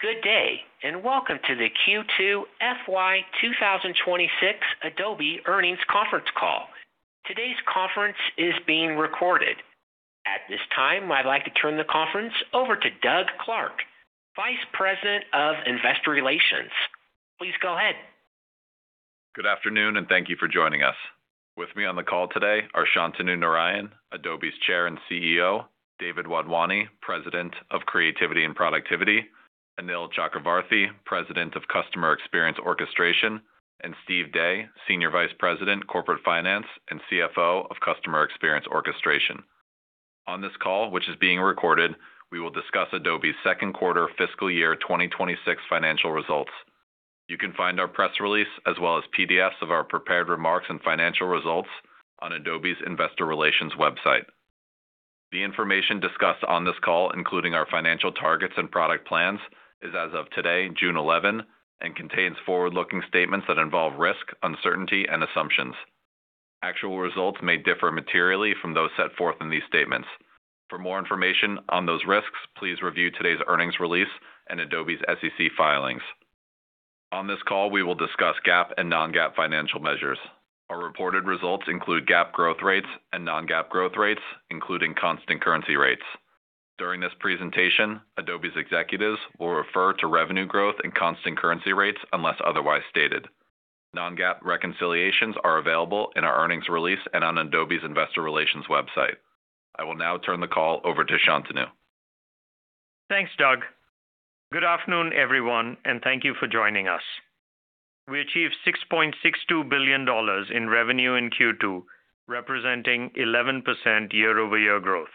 Good day, welcome to the Q2 FY 2026 Adobe earnings conference call. Today's conference is being recorded. At this time, I'd like to turn the conference over to Doug Clark, Vice President of Investor Relations. Please go ahead. Good afternoon, thank you for joining us. With me on the call today are Shantanu Narayen, Adobe's Chair and CEO, David Wadhwani, President of Creativity and Productivity, Anil Chakravarthy, President of Customer Experience Orchestration, and Steve Day, Senior Vice President Corporate Finance and CFO of Customer Experience Orchestration. On this call, which is being recorded, we will discuss Adobe's second quarter fiscal year 2026 financial results. You can find our press release as well as PDFs of our prepared remarks and financial results on Adobe's Investor Relations website. The information discussed on this call, including our financial targets and product plans, is as of today, June 11, and contains forward-looking statements that involve risk, uncertainty, and assumptions. Actual results may differ materially from those set forth in these statements. For more information on those risks, please review today's earnings release and Adobe's SEC filings. On this call, we will discuss GAAP and non-GAAP financial measures. Our reported results include GAAP growth rates and non-GAAP growth rates, including constant currency rates. During this presentation, Adobe's executives will refer to revenue growth and constant currency rates unless otherwise stated. Non-GAAP reconciliations are available in our earnings release and on Adobe's investor relations website. I will now turn the call over to Shantanu. Thanks, Doug. Good afternoon, everyone, thank you for joining us. We achieved $6.62 billion in revenue in Q2, representing 11% year-over-year growth.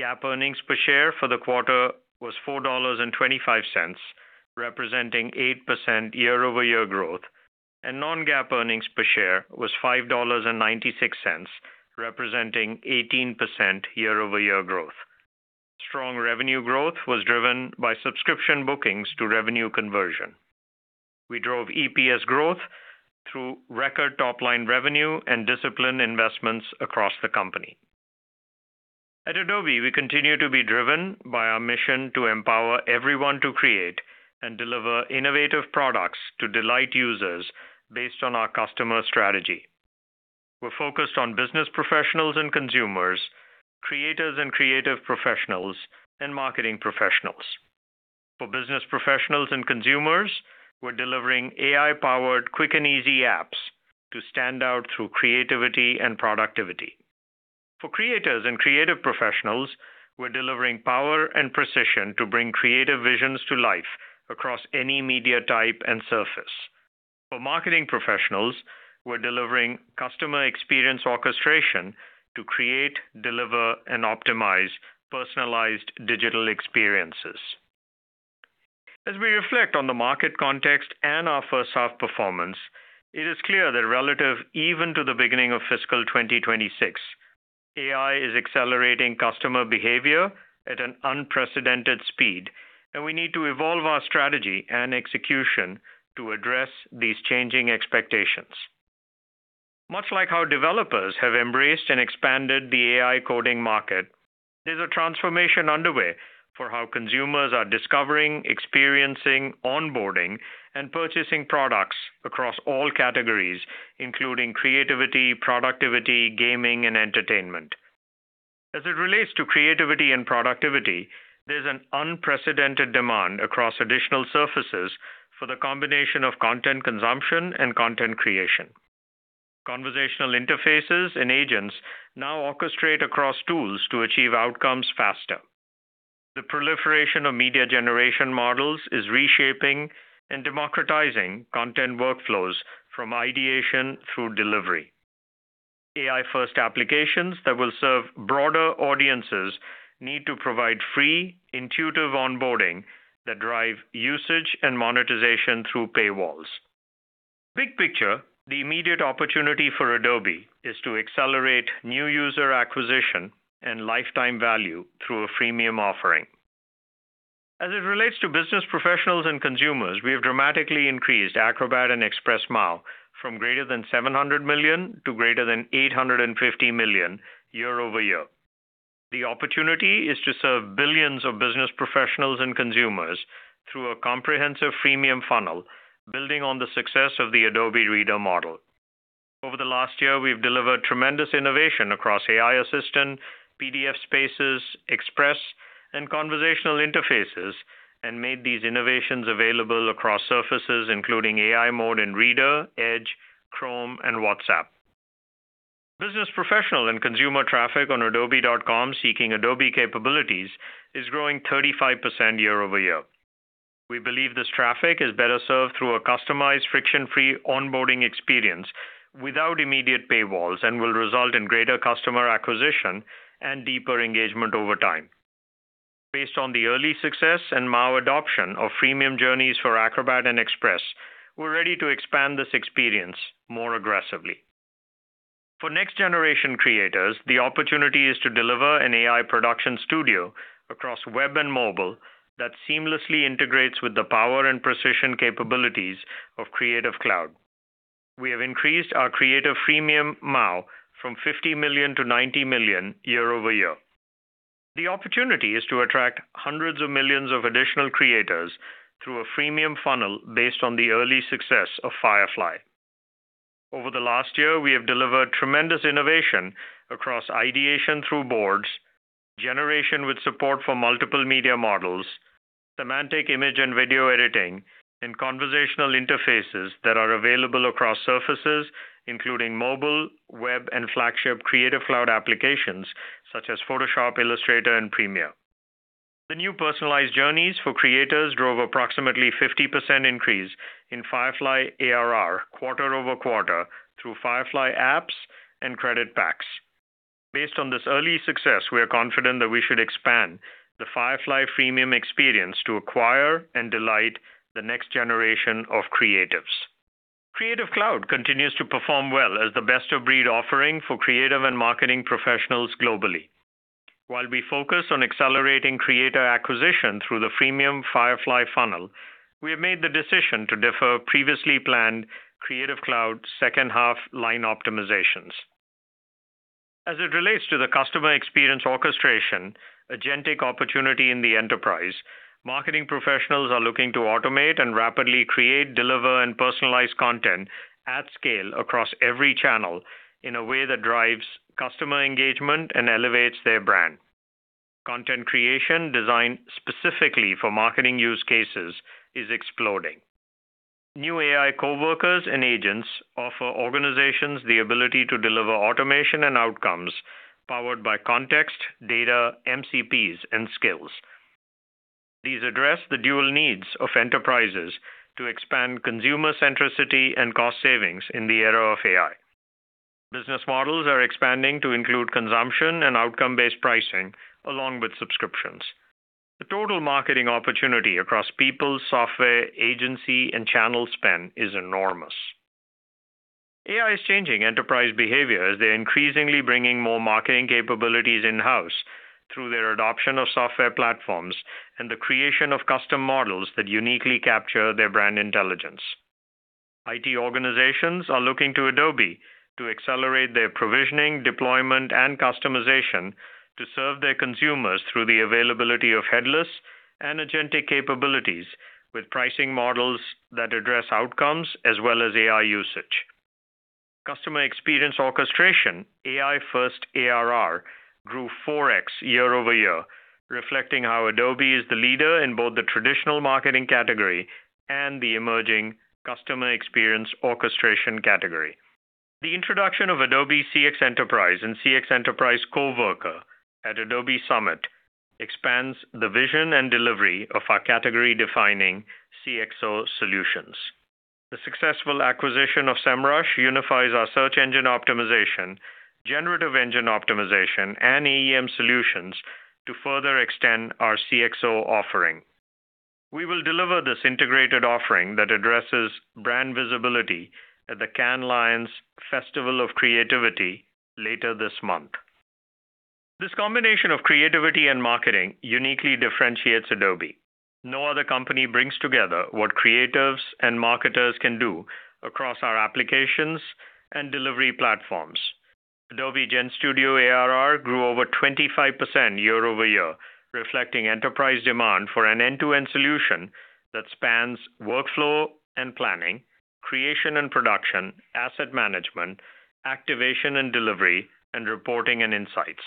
GAAP earnings per share for the quarter was $4.25, representing 8% year-over-year growth, and non-GAAP earnings per share was $5.96, representing 18% year-over-year growth. Strong revenue growth was driven by subscription bookings to revenue conversion. We drove EPS growth through record top-line revenue and disciplined investments across the company. At Adobe, we continue to be driven by our mission to empower everyone to create and deliver innovative products to delight users based on our customer strategy. We're focused on business professionals and consumers, creators and creative professionals, and marketing professionals. For business professionals and consumers, we're delivering AI-powered, quick and easy apps to stand out through creativity and productivity. For creators and creative professionals, we're delivering power and precision to bring creative visions to life across any media type and surface. For marketing professionals, we're delivering customer experience orchestration to create, deliver, and optimize personalized digital experiences. As we reflect on the market context and our first half performance, it is clear that relative even to the beginning of fiscal 2026, AI is accelerating customer behavior at an unprecedented speed, and we need to evolve our strategy and execution to address these changing expectations. Much like how developers have embraced and expanded the AI coding market, there's a transformation underway for how consumers are discovering, experiencing, onboarding, and purchasing products across all categories, including creativity, productivity, gaming, and entertainment. As it relates to creativity and productivity, there's an unprecedented demand across additional surfaces for the combination of content consumption and content creation. Conversational interfaces and agents now orchestrate across tools to achieve outcomes faster. The proliferation of media generation models is reshaping and democratizing content workflows from ideation through delivery. AI-first applications that will serve broader audiences need to provide free, intuitive onboarding that drive usage and monetization through paywalls. Big picture, the immediate opportunity for Adobe is to accelerate new user acquisition and lifetime value through a freemium offering. As it relates to business professionals and consumers, we have dramatically increased Acrobat and Express MAU from greater than 700 million to greater than 850 million year-over-year. The opportunity is to serve billions of business professionals and consumers through a comprehensive freemium funnel, building on the success of the Acrobat Reader model. Over the last year, we've delivered tremendous innovation across AI Assistant, PDF Spaces, Express, and conversational interfaces and made these innovations available across surfaces including AI mode in Acrobat Reader, Edge, Chrome, and WhatsApp. Business professional and consumer traffic on adobe.com seeking Adobe capabilities is growing 35% year-over-year. We believe this traffic is better served through a customized, friction-free onboarding experience without immediate paywalls and will result in greater customer acquisition and deeper engagement over time. Based on the early success and MAU adoption of freemium journeys for Acrobat and Express, we're ready to expand this experience more aggressively. For next-generation creators, the opportunity is to deliver an AI production studio across web and mobile that seamlessly integrates with the power and precision capabilities of Creative Cloud. We have increased our creative freemium MAU from 50 million to 90 million year-over-year. The opportunity is to attract hundreds of millions of additional creators through a freemium funnel based on the early success of Firefly. Over the last year, we have delivered tremendous innovation across ideation through boards, generation with support for multiple media models, semantic image and video editing, and conversational interfaces that are available across surfaces, including mobile, web, and flagship Creative Cloud applications such as Photoshop, Illustrator, and Premiere. The new personalized journeys for creators drove approximately 50% increase in Firefly ARR quarter-over-quarter through Firefly apps and credit packs. Based on this early success, we are confident that we should expand the Firefly freemium experience to acquire and delight the next generation of creatives. Creative Cloud continues to perform well as the best-of-breed offering for creative and marketing professionals globally. While we focus on accelerating creator acquisition through the freemium Firefly funnel, we have made the decision to defer previously planned Creative Cloud second half line optimizations. As it relates to the Customer Experience Orchestration, agentic opportunity in the enterprise, marketing professionals are looking to automate and rapidly create, deliver, and personalize content at scale across every channel in a way that drives customer engagement and elevates their brand. Content creation designed specifically for marketing use cases is exploding. New AI coworkers and agents offer organizations the ability to deliver automation and outcomes powered by context, data, MCPs, and skills. These address the dual needs of enterprises to expand consumer centricity and cost savings in the era of AI. Business models are expanding to include consumption and outcome-based pricing along with subscriptions. The total marketing opportunity across people, software, agency, and channel spend is enormous. AI is changing enterprise behavior as they're increasingly bringing more marketing capabilities in-house through their adoption of software platforms and the creation of custom models that uniquely capture their brand intelligence. IT organizations are looking to Adobe to accelerate their provisioning, deployment, and customization to serve their consumers through the availability of headless and agentic capabilities with pricing models that address outcomes as well as AI usage. Customer Experience Orchestration, AI-first ARR grew 4x year-over-year, reflecting how Adobe is the leader in both the traditional marketing category and the emerging Customer Experience Orchestration category. The introduction of Adobe CX Enterprise and Adobe CX Enterprise Coworker at Adobe Summit expands the vision and delivery of our category-defining CXO solutions. The successful acquisition of Semrush unifies our search engine optimization, generative engine optimization, and SEM solutions to further extend our CXO offering. We will deliver this integrated offering that addresses brand visibility at the Cannes Lions Festival of Creativity later this month. This combination of creativity and marketing uniquely differentiates Adobe. No other company brings together what creatives and marketers can do across our applications and delivery platforms. Adobe GenStudio ARR grew over 25% year-over-year, reflecting enterprise demand for an end-to-end solution that spans workflow and planning, creation and production, asset management, activation and delivery, and reporting and insights.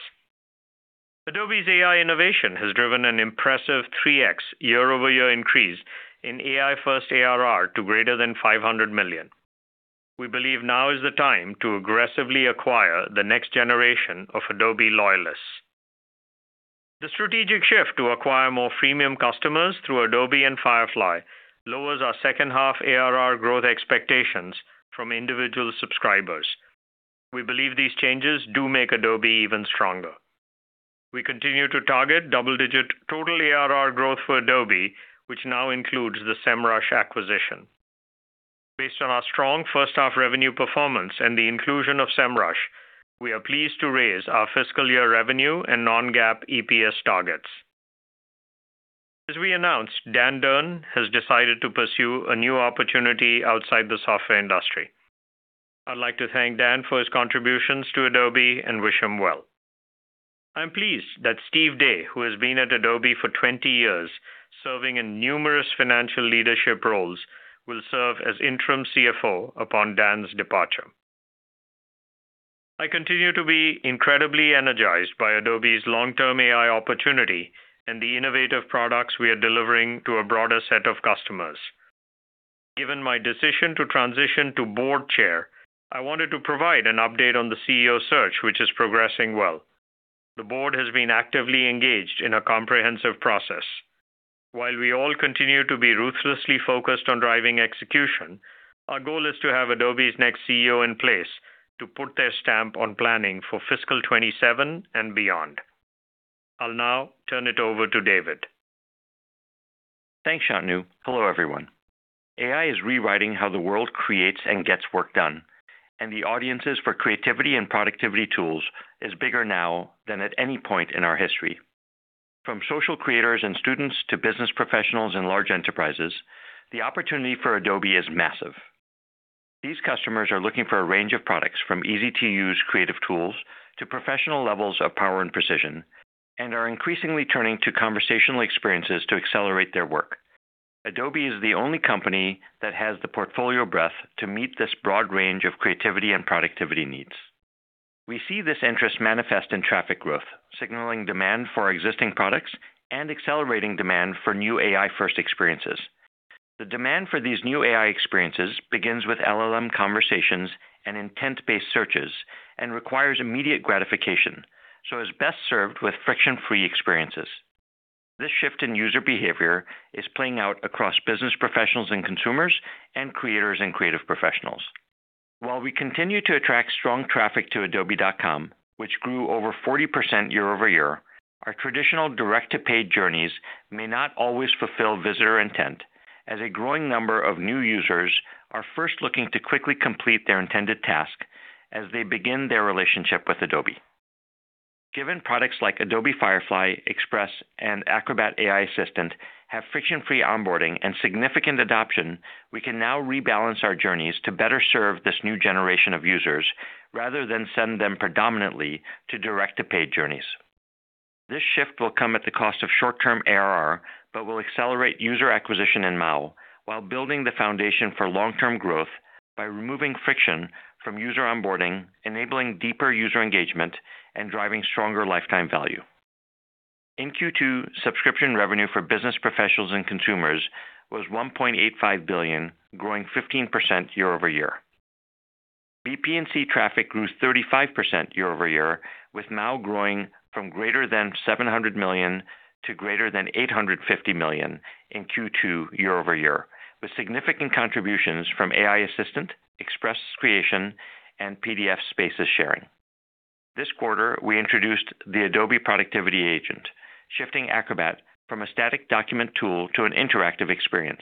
Adobe's AI innovation has driven an impressive 3x year-over-year increase in AI-first ARR to greater than $500 million. We believe now is the time to aggressively acquire the next generation of Adobe loyalists. The strategic shift to acquire more freemium customers through Adobe and Firefly lowers our second half ARR growth expectations from individual subscribers. We believe these changes do make Adobe even stronger. We continue to target double-digit total ARR growth for Adobe, which now includes the Semrush acquisition. Based on our strong first half revenue performance and the inclusion of Semrush, we are pleased to raise our fiscal year revenue and non-GAAP EPS targets. As we announced, Dan Durn has decided to pursue a new opportunity outside the software industry. I'd like to thank Dan for his contributions to Adobe and wish him well. I'm pleased that Steve Day, who has been at Adobe for 20 years serving in numerous financial leadership roles, will serve as Interim CFO upon Dan's departure. I continue to be incredibly energized by Adobe's long-term AI opportunity and the innovative products we are delivering to a broader set of customers. Given my decision to transition to Board Chair, I wanted to provide an update on the CEO search, which is progressing well. The board has been actively engaged in a comprehensive process. While we all continue to be ruthlessly focused on driving execution, our goal is to have Adobe's next CEO in place to put their stamp on planning for fiscal 2027 and beyond. I'll now turn it over to David. Thanks, Shantanu. Hello, everyone. AI is rewriting how the world creates and gets work done. The audiences for creativity and productivity tools is bigger now than at any point in our history. From social creators and students to business professionals and large enterprises, the opportunity for Adobe is massive. These customers are looking for a range of products, from easy-to-use creative tools to professional levels of power and precision, and are increasingly turning to conversational experiences to accelerate their work. Adobe is the only company that has the portfolio breadth to meet this broad range of creativity and productivity needs. We see this interest manifest in traffic growth, signaling demand for our existing products and accelerating demand for new AI-first experiences. The demand for these new AI experiences begins with LLM conversations and intent-based searches and requires immediate gratification, is best served with friction-free experiences. This shift in user behavior is playing out across business professionals and consumers and creators and creative professionals. While we continue to attract strong traffic to adobe.com, which grew over 40% year-over-year, our traditional direct-to-paid journeys may not always fulfill visitor intent, as a growing number of new users are first looking to quickly complete their intended task as they begin their relationship with Adobe. Given products like Adobe Firefly, Express, and Acrobat AI Assistant have friction-free onboarding and significant adoption, we can now rebalance our journeys to better serve this new generation of users rather than send them predominantly to direct-to-paid journeys. This shift will come at the cost of short-term ARR, will accelerate user acquisition and MAU while building the foundation for long-term growth by removing friction from user onboarding, enabling deeper user engagement, and driving stronger lifetime value. In Q2, subscription revenue for business professionals and consumers was $1.85 billion, growing 15% year-over-year. BP&C traffic grew 35% year-over-year, with MAU growing from greater than 700 million to greater than 850 million in Q2 year-over-year, with significant contributions from AI Assistant, Express Creation, and PDF Spaces sharing. This quarter, we introduced the Adobe Productivity Agent, shifting Acrobat from a static document tool to an interactive experience.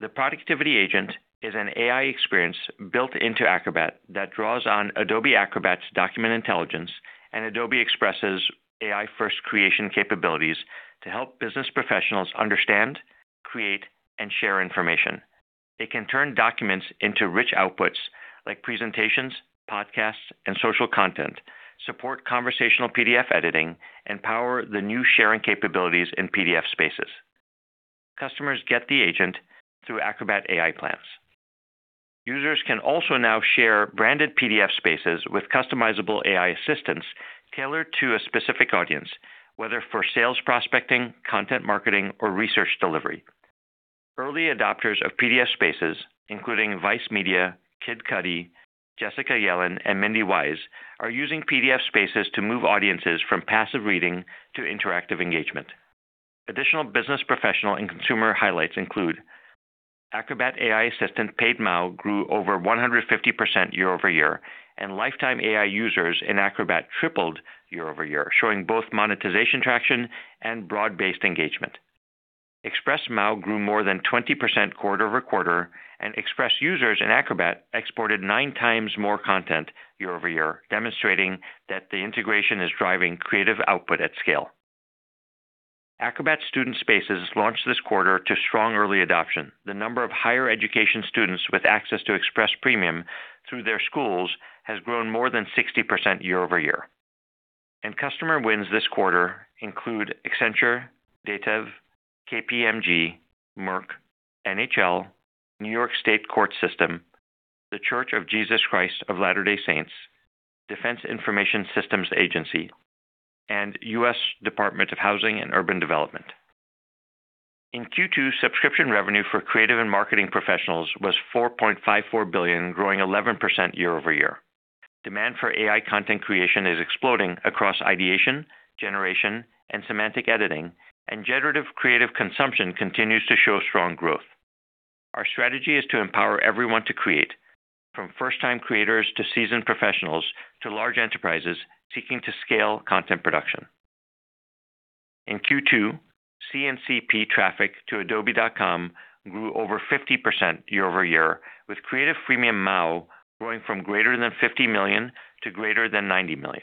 The Productivity Agent is an AI experience built into Acrobat that draws on Adobe Acrobat's document intelligence and Adobe Express' AI-first creation capabilities to help business professionals understand, create, and share information. It can turn documents into rich outputs like presentations, podcasts, and social content, support conversational PDF editing, and power the new sharing capabilities in PDF Spaces. Customers get the agent through Acrobat AI plans. Users can also now share branded PDF Spaces with customizable AI assistants tailored to a specific audience, whether for sales prospecting, content marketing, or research delivery. Early adopters of PDF Spaces, including Vice Media, Kid Cudi, Jessica Yellin, and Mindy Weiss, are using PDF Spaces to move audiences from passive reading to interactive engagement. Additional business professional and consumer highlights include Acrobat AI Assistant paid MAU grew over 150% year-over-year, and lifetime AI users in Acrobat tripled year-over-year, showing both monetization traction and broad-based engagement. Express MAU grew more than 20% quarter-over-quarter, and Express users in Acrobat exported nine times more content year-over-year, demonstrating that the integration is driving creative output at scale. Acrobat Student Spaces launched this quarter to strong early adoption. The number of higher education students with access to Express Premium through their schools has grown more than 60% year-over-year. Customer wins this quarter include Accenture, DATEV, KPMG, Merck, NHL, New York State Court System, The Church of Jesus Christ of Latter-day Saints, Defense Information Systems Agency, and U.S. Department of Housing and Urban Development. In Q2, subscription revenue for creative and marketing professionals was $4.54 billion, growing 11% year-over-year. Demand for AI content creation is exploding across ideation, generation, and semantic editing, and generative creative consumption continues to show strong growth. Our strategy is to empower everyone to create, from first-time creators to seasoned professionals to large enterprises seeking to scale content production. In Q2, C&CP traffic to adobe.com grew over 50% year-over-year, with Creative freemium MAU growing from greater than 50 million to greater than 90 million.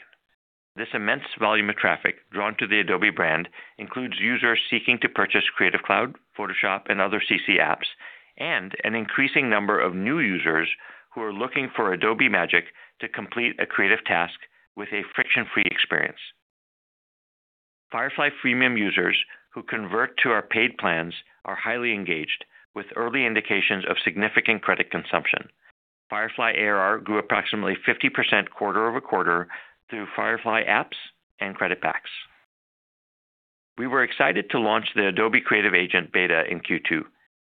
This immense volume of traffic drawn to the Adobe brand includes users seeking to purchase Creative Cloud, Photoshop, and other CC apps and an increasing number of new users who are looking for Adobe Magic to complete a creative task with a friction-free experience. Firefly freemium users who convert to our paid plans are highly engaged with early indications of significant credit consumption. Firefly ARR grew approximately 50% quarter-over-quarter through Firefly apps and credit packs. We were excited to launch the Adobe Creative Agent beta in Q2.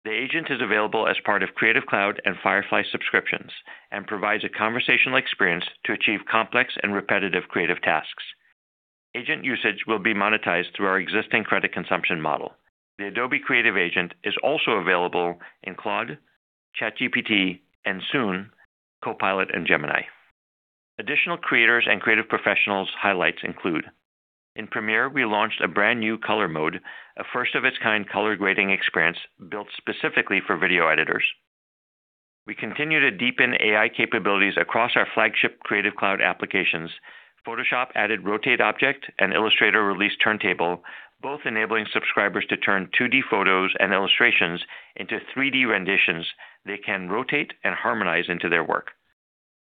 The agent is available as part of Creative Cloud and Firefly subscriptions and provides a conversational experience to achieve complex and repetitive creative tasks. Agent usage will be monetized through our existing credit consumption model. The Adobe Creative Agent is also available in Claude, ChatGPT, and soon, Copilot and Gemini. Additional creators and creative professionals highlights include, in Premiere, we launched a brand-new color mode, a first-of-its-kind color grading experience built specifically for video editors. We continue to deepen AI capabilities across our flagship Creative Cloud applications. Photoshop added Rotate Object and Illustrator released Turntable, both enabling subscribers to turn 2D photos and illustrations into 3D renditions they can rotate and harmonize into their work.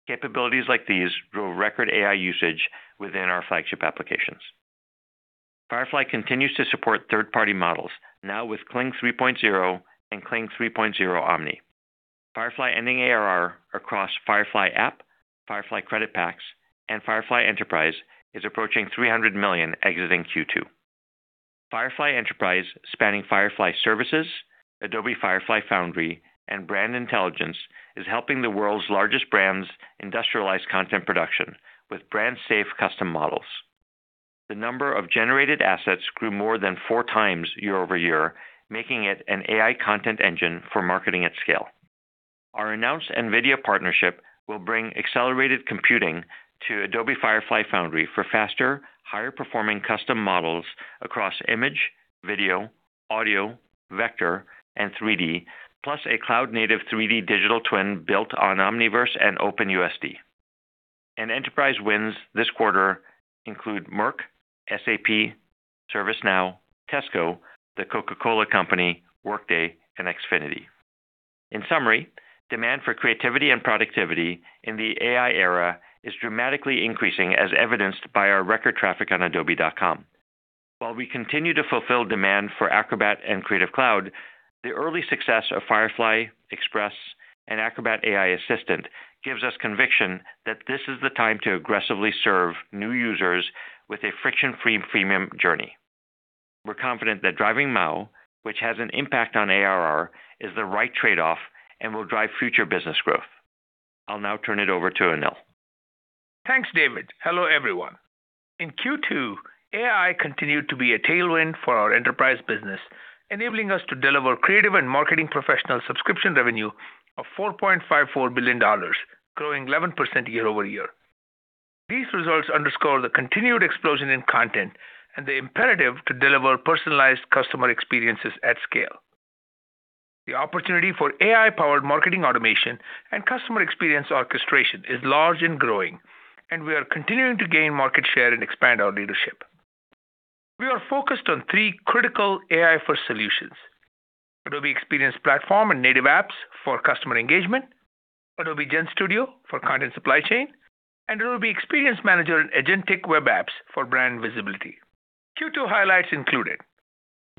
Capabilities like these drove record AI usage within our flagship applications. Firefly continues to support third-party models, now with Kling 3.0 and Kling 3.0 Omni. Firefly ending ARR across Firefly app, Firefly credit packs, and Firefly Enterprise is approaching $300 million exiting Q2. Firefly Enterprise, spanning Firefly Services, Adobe Firefly Foundry, and Brand Intelligence, is helping the world's largest brands industrialize content production with brand-safe custom models. The number of generated assets grew more than 4x year-over-year, making it an AI content engine for marketing at scale. Our announced NVIDIA partnership will bring accelerated computing to Adobe Firefly Foundry for faster, higher-performing custom models across image, video, audio, vector, and 3D, plus a cloud-native 3D digital twin built on Omniverse and OpenUSD. Enterprise wins this quarter include Merck, SAP, ServiceNow, Tesco, The Coca-Cola Company, Workday, and Xfinity. In summary, demand for creativity and productivity in the AI era is dramatically increasing, as evidenced by our record traffic on adobe.com. While we continue to fulfill demand for Acrobat and Creative Cloud, the early success of Firefly, Express, and Acrobat AI Assistant gives us conviction that this is the time to aggressively serve new users with a friction-free freemium journey. We're confident that driving MAU, which has an impact on ARR, is the right trade-off and will drive future business growth. I'll now turn it over to Anil. Thanks, David. Hello, everyone. In Q2, AI continued to be a tailwind for our enterprise business, enabling us to deliver creative and marketing professional subscription revenue of $4.54 billion, growing 11% year-over-year. These results underscore the continued explosion in content and the imperative to deliver personalized customer experiences at scale. The opportunity for AI-powered marketing automation and customer experience orchestration is large and growing, and we are continuing to gain market share and expand our leadership. We are focused on three critical AI-first solutions: Adobe Experience Platform and native apps for customer engagement, Adobe GenStudio for content supply chain, and Adobe Experience Manager agentic web apps for brand visibility. Q2 highlights included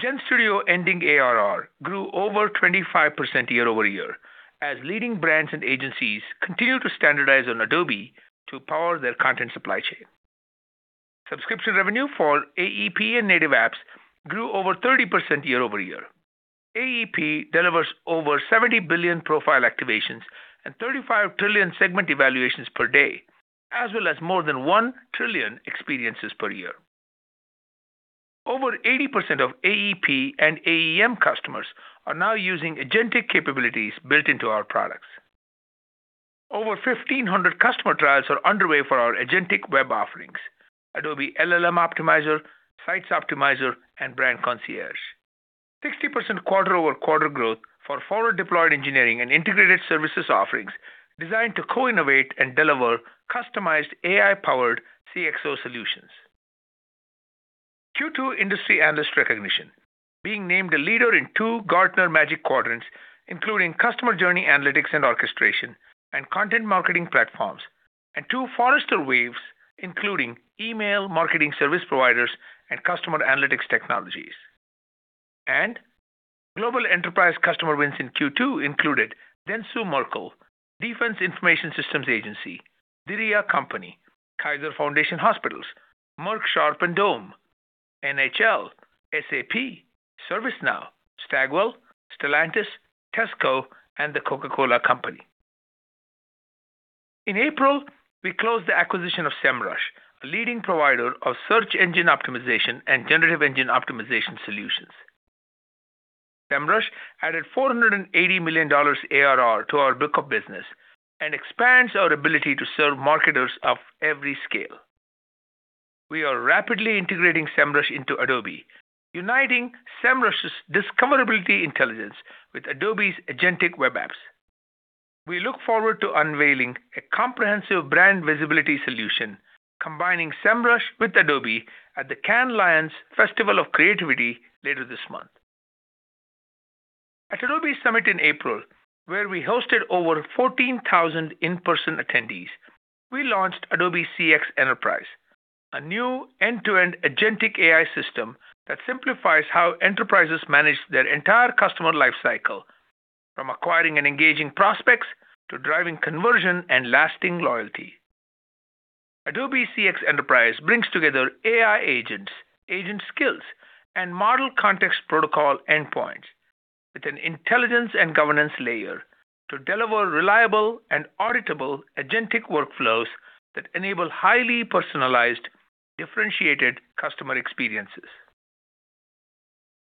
GenStudio ending ARR grew over 25% year-over-year as leading brands and agencies continue to standardize on Adobe to power their content supply chain. Subscription revenue for AEP and native apps grew over 30% year-over-year. AEP delivers over 70 billion profile activations and 35 trillion segment evaluations per day, as well as more than one trillion experiences per year. Over 80% of AEP and AEM customers are now using agentic capabilities built into our products. Over 1,500 customer trials are underway for our agentic web offerings, Adobe LLM Optimizer, Sites Optimizer, and Brand Concierge. 60% quarter-over-quarter growth for forward deployed engineering and integrated services offerings designed to co-innovate and deliver customized AI-powered CXO solutions. Q2 industry analyst recognition, being named a leader in two Gartner Magic Quadrants, including customer journey analytics and orchestration and content marketing platforms, and two Forrester Waves, including email marketing service providers and customer analytics technologies. Global enterprise customer wins in Q2 included Dentsu Merkle, Defense Information Systems Agency, Diriyah Company, Kaiser Foundation Hospitals, Merck Sharp & Dohme, NHL, SAP, ServiceNow, Stagwell, Stellantis, Tesco, and The Coca-Cola Company. In April, we closed the acquisition of Semrush, a leading provider of search engine optimization and generative engine optimization solutions. Semrush added $480 million ARR to our book of business and expands our ability to serve marketers of every scale. We are rapidly integrating Semrush into Adobe, uniting Semrush's discoverability intelligence with Adobe's agentic web apps. We look forward to unveiling a comprehensive brand visibility solution, combining Semrush with Adobe at the Cannes Lions Festival of Creativity later this month. At Adobe Summit in April, where we hosted over 14,000 in-person attendees, we launched Adobe CX Enterprise, a new end-to-end agentic AI system that simplifies how enterprises manage their entire customer life cycle, from acquiring and engaging prospects to driving conversion and lasting loyalty. Adobe CX Enterprise brings together AI agents, agent skills, and model context protocol endpoints with an intelligence and governance layer to deliver reliable and auditable agentic workflows that enable highly personalized, differentiated customer experiences.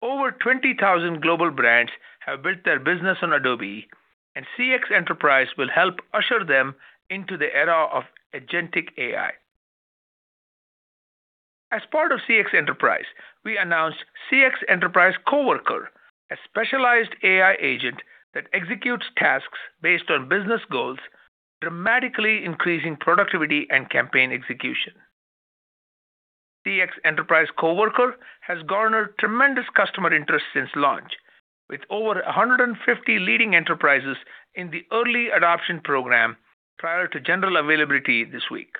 Over 20,000 global brands have built their business on Adobe, and CX Enterprise will help usher them into the era of agentic AI. As part of CX Enterprise, we announced CX Enterprise Coworker, a specialized AI agent that executes tasks based on business goals, dramatically increasing productivity and campaign execution. CX Enterprise Coworker has garnered tremendous customer interest since launch, with over 150 leading enterprises in the early adoption program prior to general availability this week.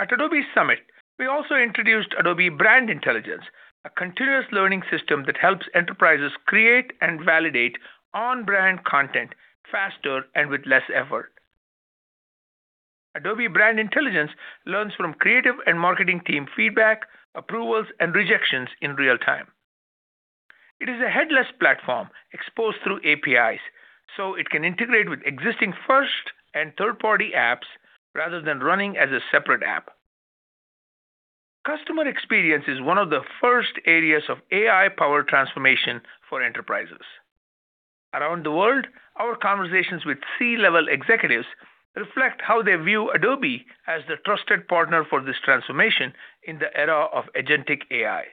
At Adobe Summit, we also introduced Adobe Brand Intelligence, a continuous learning system that helps enterprises create and validate on-brand content faster and with less effort. Adobe Brand Intelligence learns from creative and marketing team feedback, approvals, and rejections in real time. It is a headless platform exposed through APIs, so it can integrate with existing first and third-party apps rather than running as a separate app. Customer experience is one of the first areas of AI-powered transformation for enterprises. Around the world, our conversations with C-level executives reflect how they view Adobe as the trusted partner for this transformation in the era of agentic AI.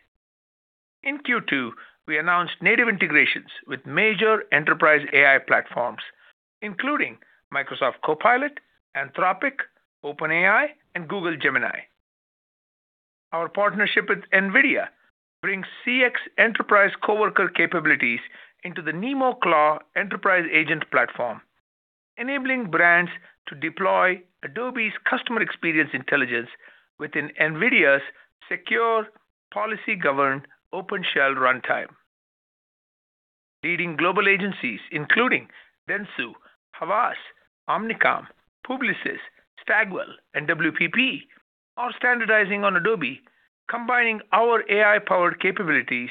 In Q2, we announced native integrations with major enterprise AI platforms, including Microsoft Copilot, Anthropic, OpenAI, and Google Gemini. Our partnership with NVIDIA brings CX Enterprise Coworker capabilities into the NemoClaw Enterprise Agent platform, enabling brands to deploy Adobe's customer experience intelligence within NVIDIA's secure policy-governed OpenShell runtime. Leading global agencies including Dentsu, Havas, Omnicom, Publicis, Stagwell, and WPP are standardizing on Adobe, combining our AI-powered capabilities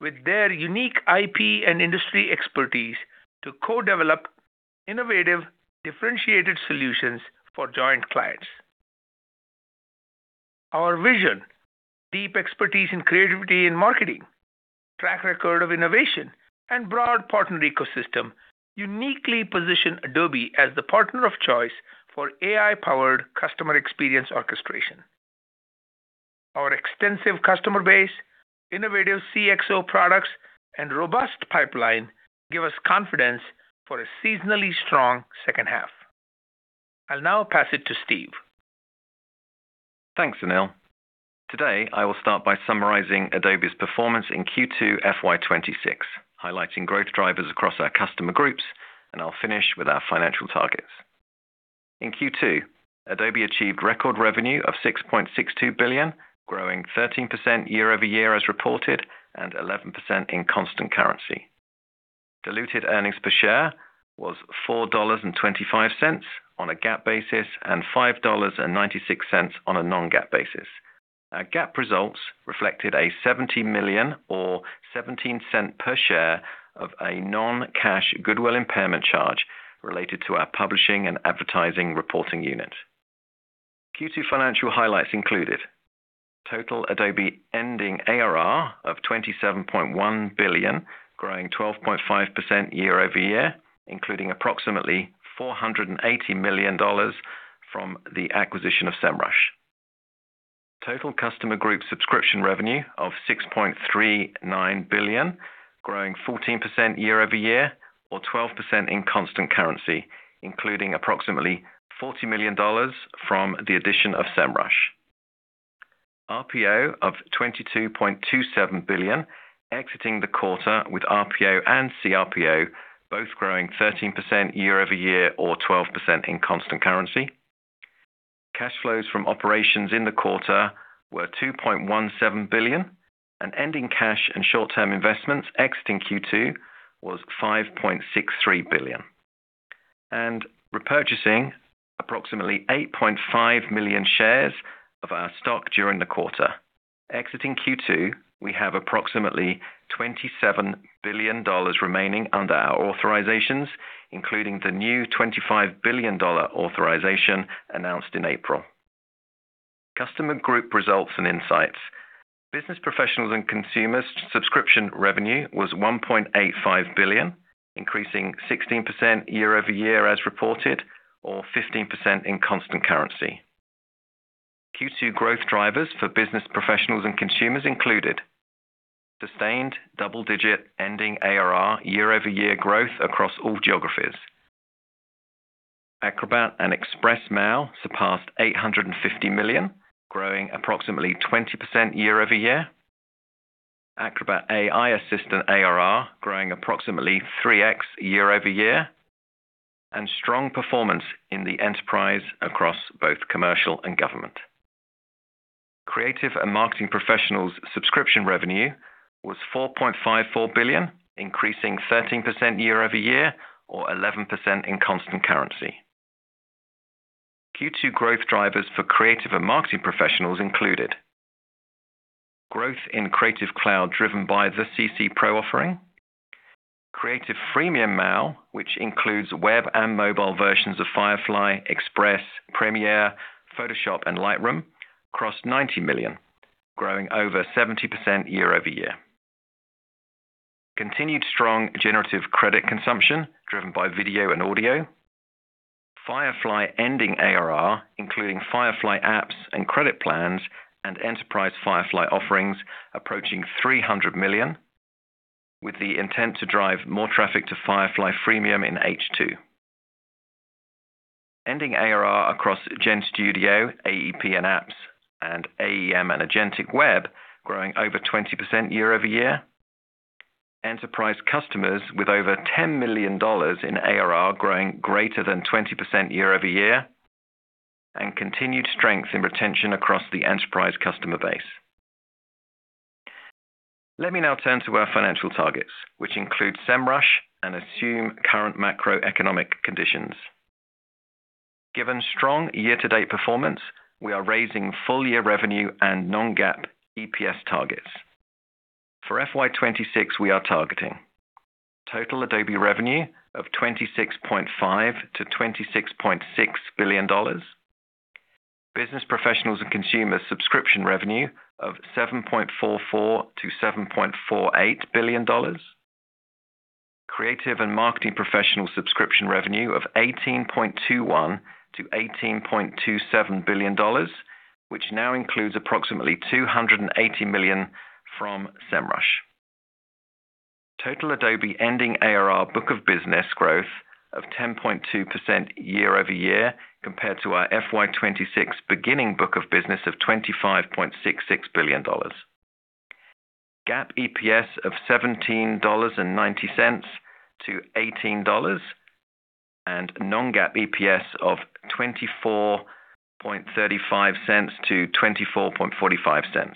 with their unique IP and industry expertise to co-develop innovative, differentiated solutions for joint clients. Our vision, deep expertise in creativity and marketing, track record of innovation, and broad partner ecosystem uniquely position Adobe as the partner of choice for AI-powered customer experience orchestration. Our extensive customer base, innovative CXO products, and robust pipeline give us confidence for a seasonally strong second half. I'll now pass it to Steve. Thanks, Anil. Today, I will start by summarizing Adobe's performance in Q2 FY 2026, highlighting growth drivers across our customer groups. I'll finish with our financial targets. In Q2, Adobe achieved record revenue of $6.62 billion, growing 13% year-over-year as reported, 11% in constant currency. Diluted earnings per share was $4.25 on a GAAP basis and $5.96 on a non-GAAP basis. Our GAAP results reflected a $70 million or $0.17 per share of a non-cash goodwill impairment charge related to our publishing and advertising reporting unit. Q2 financial highlights included: Total Adobe ending ARR of $27.1 billion, growing 12.5% year-over-year, including approximately $480 million from the acquisition of Semrush. Total customer group subscription revenue of $6.39 billion, growing 14% year-over-year or 12% in constant currency, including approximately $40 million from the addition of Semrush. RPO of $22.27 billion, exiting the quarter with RPO and CRPO both growing 13% year-over-year or 12% in constant currency. Cash flows from operations in the quarter were $2.17 billion. Ending cash and short-term investments exiting Q2 was $5.63 billion. Repurchasing approximately 8.5 million shares of our stock during the quarter. Exiting Q2, we have approximately $27 billion remaining under our authorizations, including the new $25 billion authorization announced in April. Customer group results and insights. Business professionals and consumers subscription revenue was $1.85 billion, increasing 16% year-over-year as reported, or 15% in constant currency. Q2 growth drivers for business professionals and consumers included sustained double-digit ending ARR year-over-year growth across all geographies. Acrobat and Express MAU surpassed 850 million, growing approximately 20% year-over-year. Acrobat AI Assistant ARR growing approximately 3x year-over-year. Strong performance in the enterprise across both commercial and government. Creative and marketing professionals subscription revenue was $4.54 billion, increasing 13% year-over-year or 11% in constant currency. Q2 growth drivers for creative and marketing professionals included: Growth in Creative Cloud driven by the CC Pro offering. Creative freemium MAU, which includes web and mobile versions of Firefly, Express, Premiere Pro, Photoshop, and Lightroom, crossed 90 million, growing over 70% year-over-year. Continued strong generative credit consumption driven by video and audio. Firefly ending ARR, including Firefly apps and credit plans and enterprise Firefly offerings approaching $300 million, with the intent to drive more traffic to Firefly freemium in H2. Ending ARR across Adobe GenStudio, AEP & Apps, and AEM & Agentic Web growing over 20% year-over-year. Enterprise customers with over $10 million in ARR growing greater than 20% year-over-year. Continued strength in retention across the enterprise customer base. Let me now turn to our financial targets, which include Semrush and assume current macroeconomic conditions. Given strong year-to-date performance, we are raising full-year revenue and non-GAAP EPS targets. For FY 2026, we are targeting total Adobe revenue of $26.5 billion-$26.6 billion. Business professionals and consumers subscription revenue of $7.44 billion-$7.48 billion. Creative and marketing professional subscription revenue of $18.21 billion-$18.27 billion, which now includes approximately $280 million from Semrush. Total Adobe ending ARR book of business growth of 10.2% year-over-year compared to our FY 2026 beginning book of business of $25.66 billion. GAAP EPS of $17.90-$18.00, and non-GAAP EPS of $24.35-$024.45.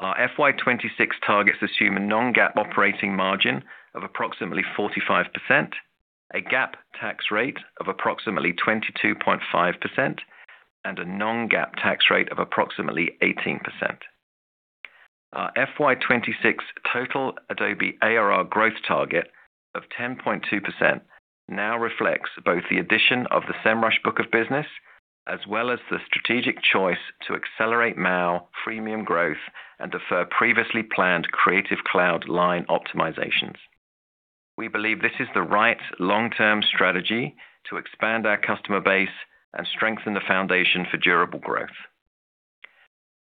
Our FY 2026 targets assume a non-GAAP operating margin of approximately 45%, a GAAP tax rate of approximately 22.5%, and a non-GAAP tax rate of approximately 18%. Our FY 2026 total Adobe ARR growth target of 10.2% now reflects both the addition of the Semrush book of business as well as the strategic choice to accelerate MAU freemium growth and defer previously planned Creative Cloud line optimizations. We believe this is the right long-term strategy to expand our customer base and strengthen the foundation for durable growth.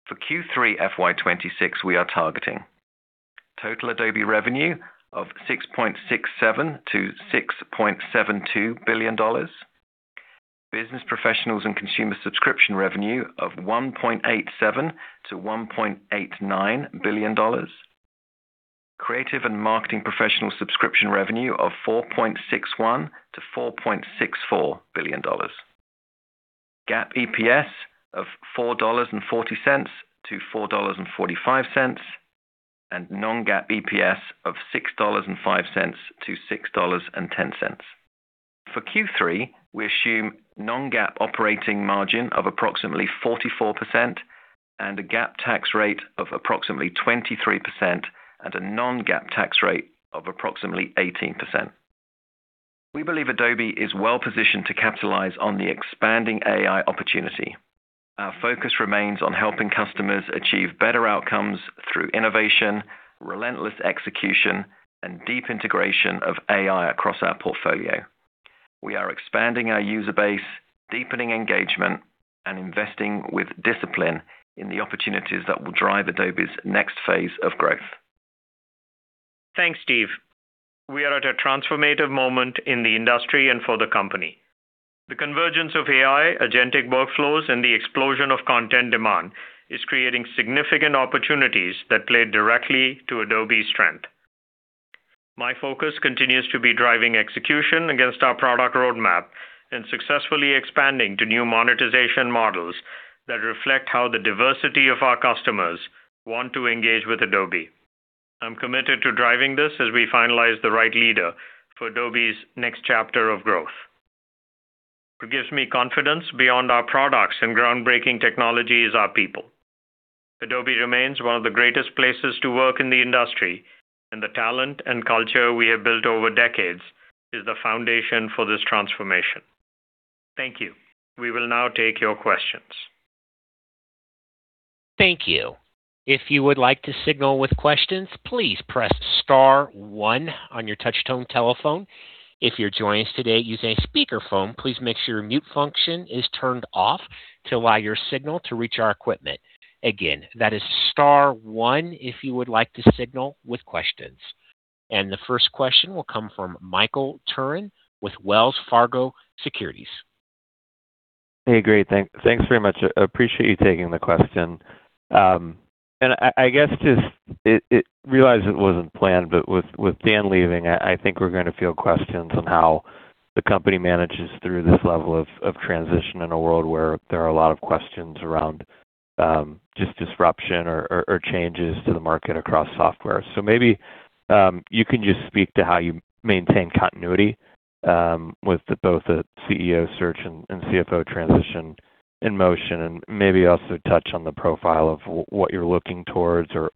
For Q3 FY 2026, we are targeting total Adobe revenue of $6.67 billion-$6.72 billion. Business professionals and consumer subscription revenue of $1.87 billion-$1.89 billion. Creative and marketing professional subscription revenue of $4.61 billion-$4.64 billion. GAAP EPS of $4.40-$4.45, and non-GAAP EPS of $6.05-$6.10. For Q3, we assume non-GAAP operating margin of approximately 44% and a GAAP tax rate of approximately 23% and a non-GAAP tax rate of approximately 18%. We believe Adobe is well-positioned to capitalize on the expanding AI opportunity. Our focus remains on helping customers achieve better outcomes through innovation, relentless execution, and deep integration of AI across our portfolio. We are expanding our user base, deepening engagement, and investing with discipline in the opportunities that will drive Adobe's next phase of growth. Thanks, Steve. We are at a transformative moment in the industry and for the company. The convergence of AI, agentic workflows, and the explosion of content demand is creating significant opportunities that play directly to Adobe's strength. My focus continues to be driving execution against our product roadmap and successfully expanding to new monetization models that reflect how the diversity of our customers want to engage with Adobe. I'm committed to driving this as we finalize the right leader for Adobe's next chapter of growth. What gives me confidence beyond our products and groundbreaking technology is our people. Adobe remains one of the greatest places to work in the industry, and the talent and culture we have built over decades is the foundation for this transformation. Thank you. We will now take your questions. Thank you. If you would like to signal with questions, please press star one on your touch-tone telephone. If you're joining us today using a speakerphone, please make sure your mute function is turned off to allow your signal to reach our equipment. Again, that is star one if you would like to signal with questions. The first question will come from Michael Turrin with Wells Fargo Securities. Hey, great. Thanks very much. I appreciate you taking the question. I guess just realize it wasn't planned, but with Dan leaving, I think we're going to field questions on how the company manages through this level of transition in a world where there are a lot of questions around just disruption or changes to the market across software. Maybe, you can just speak to how you maintain continuity with both the CEO search and CFO transition in motion, and maybe also touch on the profile of what you're looking towards or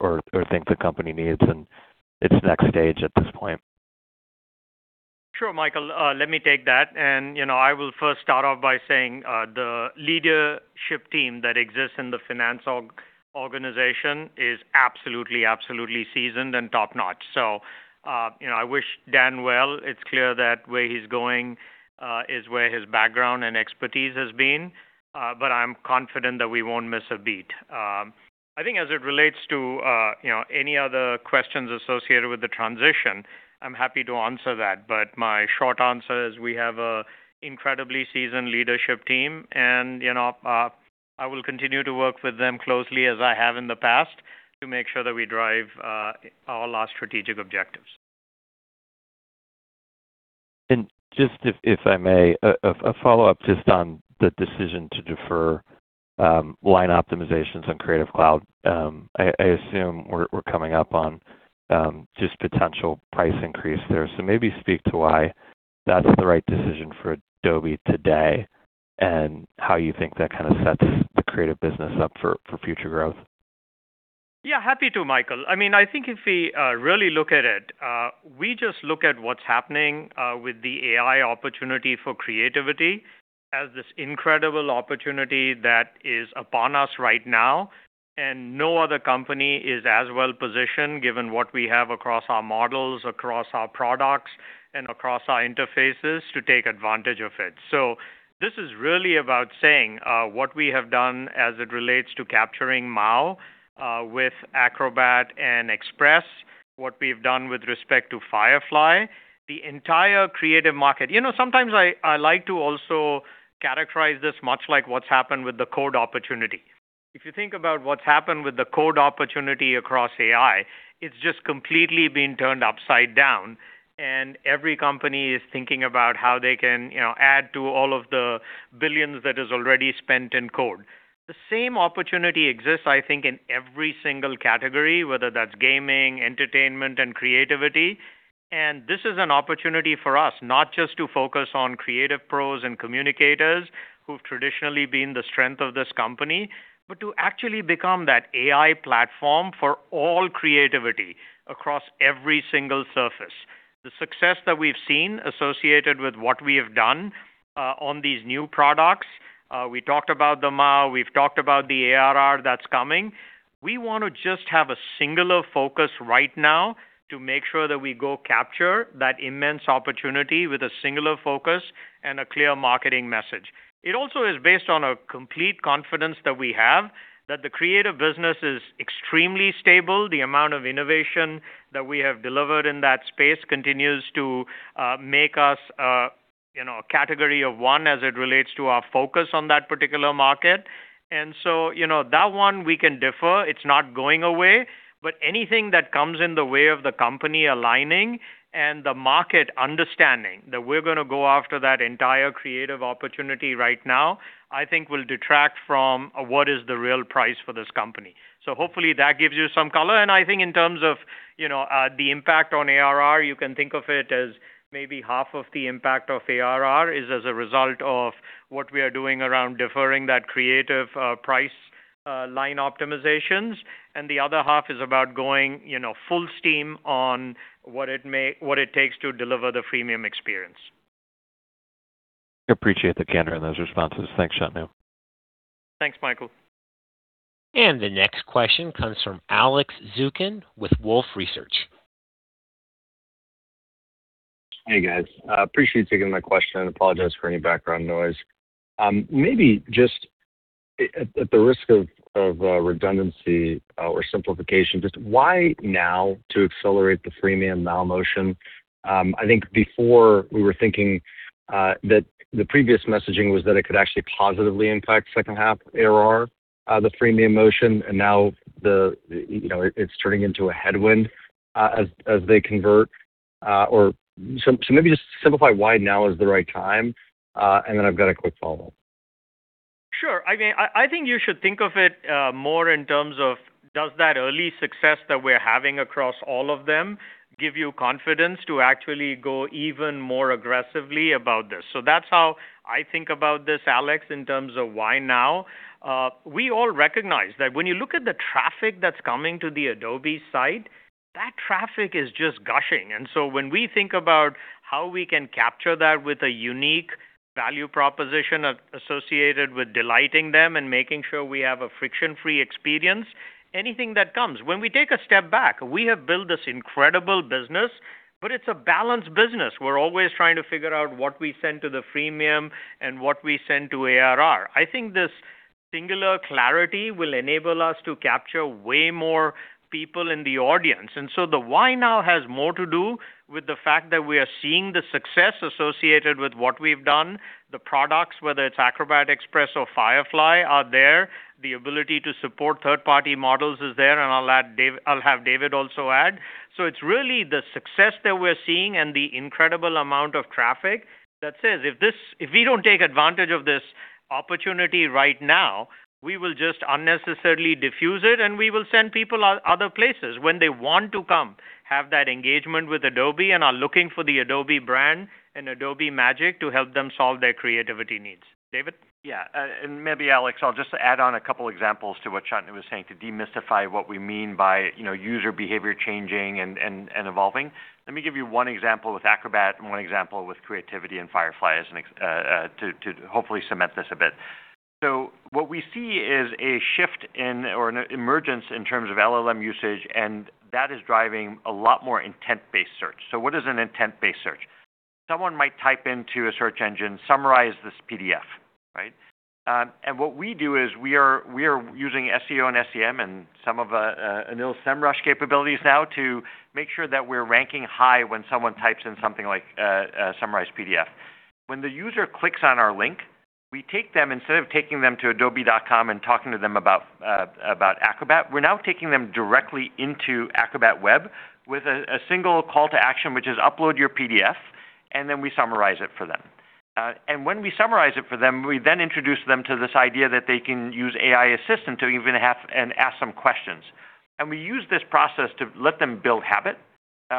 think the company needs in its next stage at this point. Sure, Michael, let me take that. I will first start off by saying, the leadership team that exists in the finance organization is absolutely seasoned and top-notch. I wish Dan well. It's clear that where he's going is where his background and expertise has been, but I'm confident that we won't miss a beat. I think as it relates to any other questions associated with the transition, I'm happy to answer that, but my short answer is we have an incredibly seasoned leadership team, and I will continue to work with them closely as I have in the past to make sure that we drive all our strategic objectives. Just if I may, a follow-up just on the decision to defer line optimizations on Creative Cloud. I assume we're coming up on just potential price increase there. Maybe speak to why that's the right decision for Adobe today and how you think that kind of sets the creative business up for future growth. Yeah, happy to, Michael. I think if we really look at it, we just look at what's happening with the AI opportunity for creativity as this incredible opportunity that is upon us right now. No other company is as well-positioned, given what we have across our models, across our products, and across our interfaces, to take advantage of it. This is really about saying, what we have done as it relates to capturing MAU with Acrobat and Express, what we've done with respect to Firefly, the entire creative market. Sometimes I like to also characterize this much like what's happened with the code opportunity. If you think about what's happened with the code opportunity across AI, it's just completely been turned upside down, and every company is thinking about how they can add to all of the billions that is already spent in code. The same opportunity exists, I think, in every single category, whether that's gaming, entertainment, and creativity. This is an opportunity for us, not just to focus on creative pros and communicators who've traditionally been the strength of this company, but to actually become that AI platform for all creativity across every single surface. The success that we've seen associated with what we have done on these new products, we talked about the MAU, we've talked about the ARR that's coming. We want to just have a singular focus right now to make sure that we go capture that immense opportunity with a singular focus and a clear marketing message. It also is based on a complete confidence that we have that the creative business is extremely stable. The amount of innovation that we have delivered in that space continues to make us a category of one as it relates to our focus on that particular market. That one we can defer. It's not going away. Anything that comes in the way of the company aligning and the market understanding that we're going to go after that entire creative opportunity right now, I think will detract from what is the real price for this company. Hopefully that gives you some color. I think in terms of the impact on ARR, you can think of it as maybe half of the impact of ARR is as a result of what we are doing around deferring that creative price line optimizations. The other half is about going full steam on what it takes to deliver the freemium experience. I appreciate the candor in those responses. Thanks, Shantanu. Thanks, Michael. The next question comes from Alex Zukin with Wolfe Research. Hey, guys. Appreciate you taking my question and apologize for any background noise. Maybe just at the risk of redundancy or simplification, just why now to accelerate the freemium MAU motion? I think before we were thinking that the previous messaging was that it could actually positively impact second half ARR, the freemium motion, and now it's turning into a headwind as they convert. Maybe just simplify why now is the right time, and then I've got a quick follow-up. Sure. I think you should think of it more in terms of does that early success that we're having across all of them give you confidence to actually go even more aggressively about this? That's how I think about this, Alex, in terms of why now. We all recognize that when you look at the traffic that's coming to the Adobe site, that traffic is just gushing. When we think about how we can capture that with a unique value proposition associated with delighting them and making sure we have a friction-free experience, anything that comes. When we take a step back, we have built this incredible business, but it's a balanced business. We're always trying to figure out what we send to the freemium and what we send to ARR. I think this singular clarity will enable us to capture way more people in the audience. The why now has more to do with the fact that we are seeing the success associated with what we've done, the products, whether it's Acrobat, Express, or Firefly, are there. The ability to support third-party models is there, and I'll have David also add. It's really the success that we're seeing and the incredible amount of traffic that says, if we don't take advantage of this opportunity right now, we will just unnecessarily diffuse it, and we will send people other places when they want to come have that engagement with Adobe and are looking for the Adobe brand and Adobe magic to help them solve their creativity needs. David? Maybe, Alex, I'll just add on two examples to what Shantanu was saying to demystify what we mean by user behavior changing and evolving. Let me give you one example with Acrobat and one example with creativity and Firefly to hopefully cement this a bit. What we see is a shift in, or an emergence in terms of LLM usage, and that is driving a lot more intent-based search. What is an intent-based search? Someone might type into a search engine, "Summarize this PDF." Right? What we do is we are using SEO and SEM and some of Anil's Semrush capabilities now to make sure that we're ranking high when someone types in something like, "Summarize PDF." When the user clicks on our link, we take them, instead of taking them to adobe.com and talking to them about Acrobat, we're now taking them directly into Acrobat Web with a single call to action, which is upload your PDF, and then we summarize it for them. When we summarize it for them, we then introduce them to this idea that they can use AI Assistant to even have and ask some questions. We use this process to let them build habit,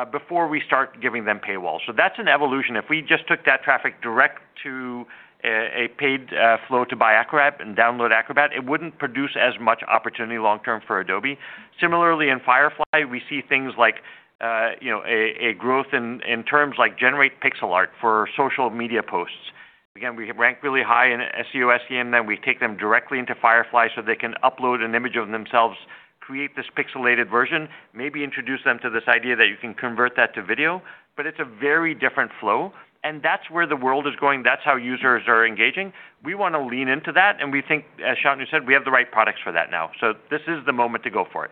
before we start giving them paywall. That's an evolution. If we just took that traffic direct to a paid flow to buy Acrobat and download Acrobat, it wouldn't produce as much opportunity long term for Adobe. Similarly, in Firefly, we see things like a growth in terms like generate pixel art for social media posts. Again, we rank really high in SEO, SEM, then we take them directly into Firefly so they can upload an image of themselves, create this pixelated version, maybe introduce them to this idea that you can convert that to video. It's a very different flow, and that's where the world is going. That's how users are engaging. We want to lean into that, and we think, as Shantanu said, we have the right products for that now. This is the moment to go for it.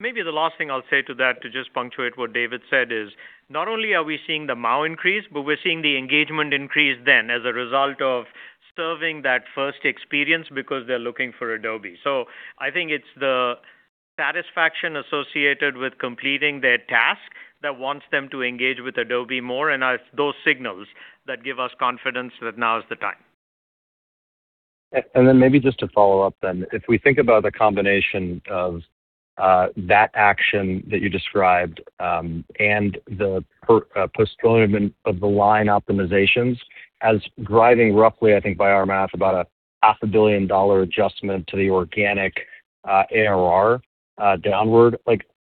Maybe the last thing I'll say to that, to just punctuate what David said, is not only are we seeing the MAU increase, but we're seeing the engagement increase then as a result of serving that first experience because they're looking for Adobe. I think it's the satisfaction associated with completing their task that wants them to engage with Adobe more, and it's those signals that give us confidence that now is the time. Maybe just to follow up then, if we think about the combination of that action that you described, and the postponement of the line optimizations as driving roughly, I think, by our math, about a $500 million adjustment to the organic ARR downward.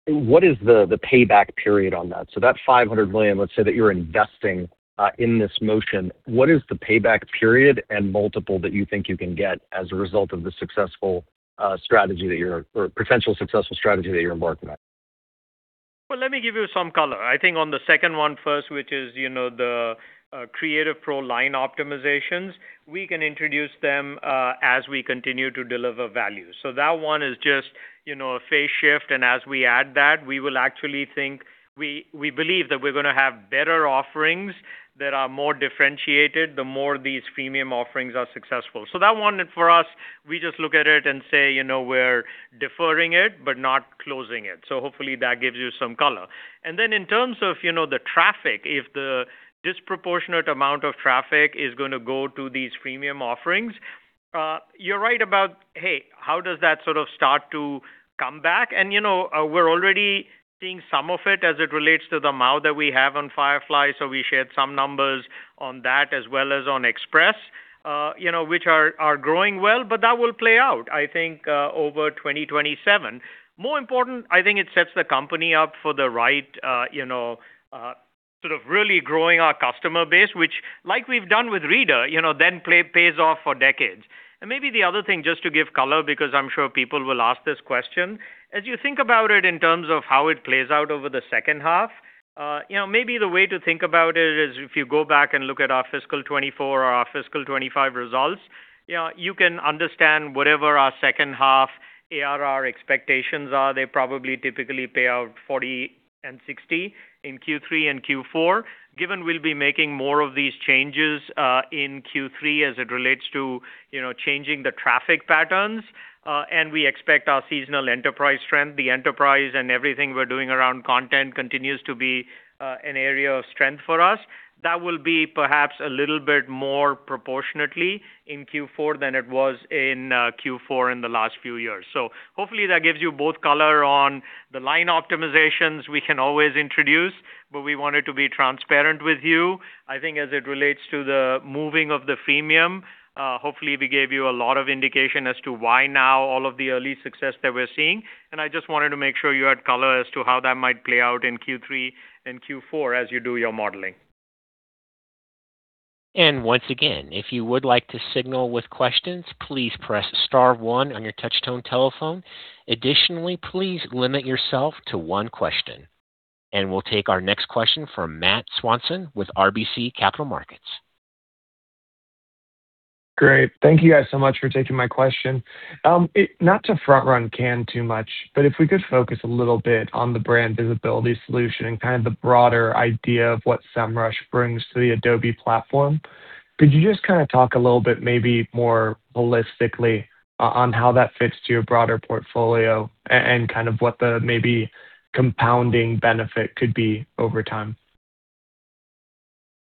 What is the payback period on that? That $500 million, let's say, that you're investing in this motion, what is the payback period and multiple that you think you can get as a result of the successful strategy, or potential successful strategy that you're embarking on? Well, let me give you some color. I think on the second one first, which is the Creative Pro Line optimizations, we can introduce them as we continue to deliver value. That one is just a phase shift, and as we add that, we believe that we're going to have better offerings that are more differentiated the more these freemium offerings are successful. That one for us, we just look at it and say, we're deferring it, but not closing it. Hopefully, that gives you some color. In terms of the traffic, if the disproportionate amount of traffic is going to go to these freemium offerings, you're right about, hey, how does that sort of start to come back? We're already seeing some of it as it relates to the MAU that we have on Firefly. We shared some numbers on that as well as on Express, which are growing well, but that will play out, I think, over 2027. More important, I think it sets the company up for the right sort of really growing our customer base, which like we've done with Reader, then pays off for decades. Maybe the other thing just to give color, because I'm sure people will ask this question. As you think about it in terms of how it plays out over the second half, maybe the way to think about it is if you go back and look at our fiscal 2024 or our fiscal 2025 results, you can understand whatever our second half ARR expectations are. They probably typically pay out 40% and 60% in Q3 and Q4. Given we'll be making more of these changes in Q3 as it relates to changing the traffic patterns, and we expect our seasonal enterprise trend, the enterprise and everything we're doing around content continues to be an area of strength for us. That will be perhaps a little bit more proportionately in Q4 than it was in Q4 in the last few years. Hopefully that gives you both color on the line optimizations we can always introduce, but we wanted to be transparent with you. I think as it relates to the moving of the freemium, hopefully, we gave you a lot of indication as to why now all of the early success that we're seeing, and I just wanted to make sure you had color as to how that might play out in Q3 and Q4 as you do your modeling. Once again, if you would like to signal with questions, please press star one on your touch-tone telephone. Additionally, please limit yourself to one question. We'll take our next question from Matt Swanson with RBC Capital Markets. Great. Thank you guys so much for taking my question. Not to front run Cannes too much, if we could focus a little bit on the brand visibility solution and kind of the broader idea of what Semrush brings to the Adobe platform. Could you just kind of talk a little bit, maybe more holistically, on how that fits to your broader portfolio and kind of what the maybe compounding benefit could be over time?